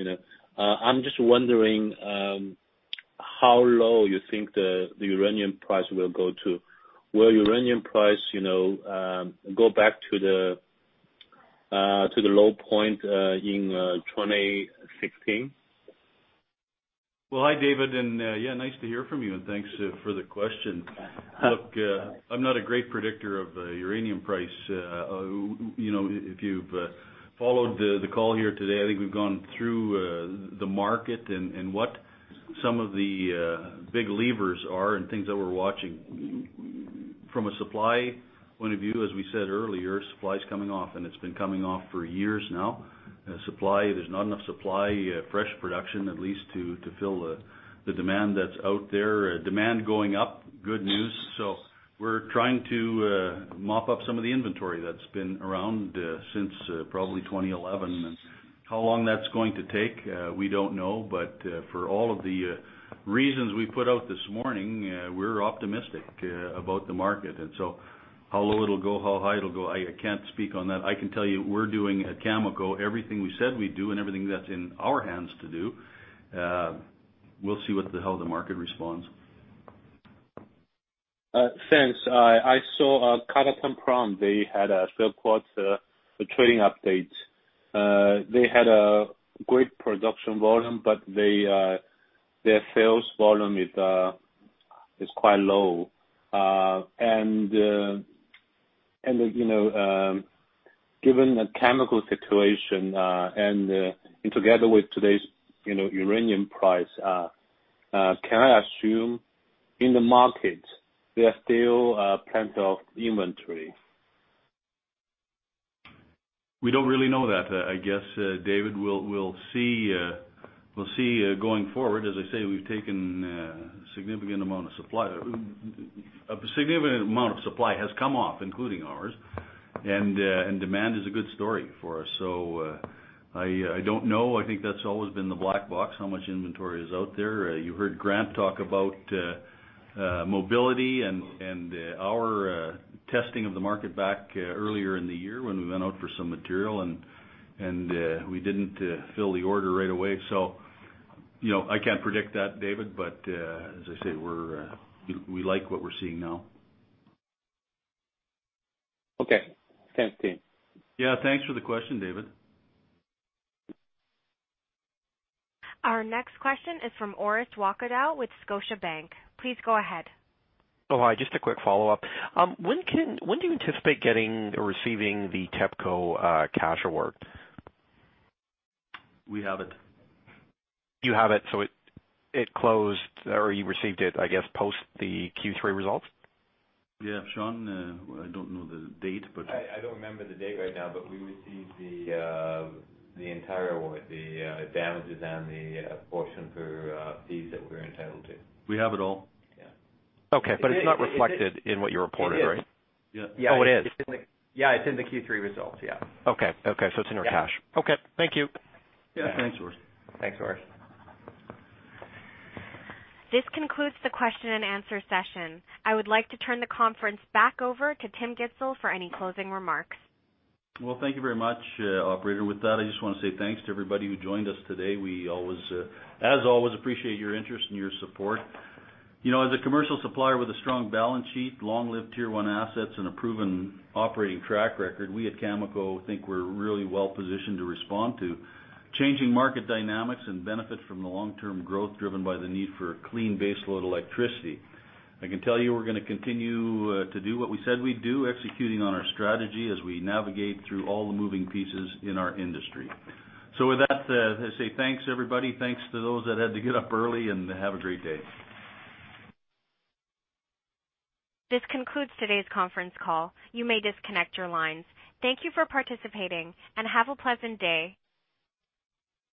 I'm just wondering how low you think the uranium price will go to. Will uranium price go back to the low point in 2016? Hi, David, yeah, nice to hear from you, thanks for the question. Look, I'm not a great predictor of the uranium price. If you've followed the call here today, I think we've gone through the market and what some of the big levers are and things that we're watching. From a supply point of view, as we said earlier, supply's coming off, it's been coming off for years now. There's not enough supply, fresh production at least, to fill the demand that's out there. Demand going up, good news. We're trying to mop up some of the inventory that's been around since probably 2011. How long that's going to take, we don't know. For all of the reasons we put out this morning, we're optimistic about the market. How low it'll go, how high it'll go, I can't speak on that. I can tell you we're doing, at Cameco, everything we said we'd do and everything that's in our hands to do. We'll see how the market responds. Thanks. I saw Kazatomprom. They had a third quarter trading update. They had a great production volume, but their sales volume is quite low. Given the Cameco situation and together with today's uranium price, can I assume in the market there are still plenty of inventory? We don't really know that, I guess, David. We'll see going forward. As I say, we've taken a significant amount of supply. A significant amount of supply has come off, including ours, and demand is a good story for us. I don't know. I think that's always been the black box, how much inventory is out there. You heard Grant talk about mobility and our testing of the market back earlier in the year when we went out for some material, and we didn't fill the order right away. I can't predict that, David, but as I say, we like what we're seeing now. Okay. Thanks, Tim. Yeah, thanks for the question, David. Our next question is from Orest Wowkodaw with Scotiabank. Please go ahead. Oh, hi, just a quick follow-up. When do you anticipate getting or receiving the TEPCO cash award? We have it. You have it, so it closed or you received it, I guess, post the Q3 results? Yeah, Sean, I don't know the date. I don't remember the date right now, but we received the entire award, the damages and the portion for fees that we're entitled to. We have it all. Yeah. Okay. It's not reflected in what you reported, right? It is. Yeah. Oh, it is. Yeah. It's in the Q3 results, yeah. Okay. It's in your cash. Yeah. Okay. Thank you. Yeah, thanks, Orest. Thanks, Orest. This concludes the question and answer session. I would like to turn the conference back over to Tim Gitzel for any closing remarks. Well, thank you very much, operator. With that, I just want to say thanks to everybody who joined us today. We, as always, appreciate your interest and your support. As a commercial supplier with a strong balance sheet, long-lived Tier-one assets, and a proven operating track record, we at Cameco think we're really well-positioned to respond to changing market dynamics and benefit from the long-term growth driven by the need for clean baseload electricity. I can tell you we're going to continue to do what we said we'd do, executing on our strategy as we navigate through all the moving pieces in our industry. With that, I say thanks, everybody. Thanks to those that had to get up early, and have a great day. This concludes today's conference call. You may disconnect your lines. Thank you for participating and have a pleasant day.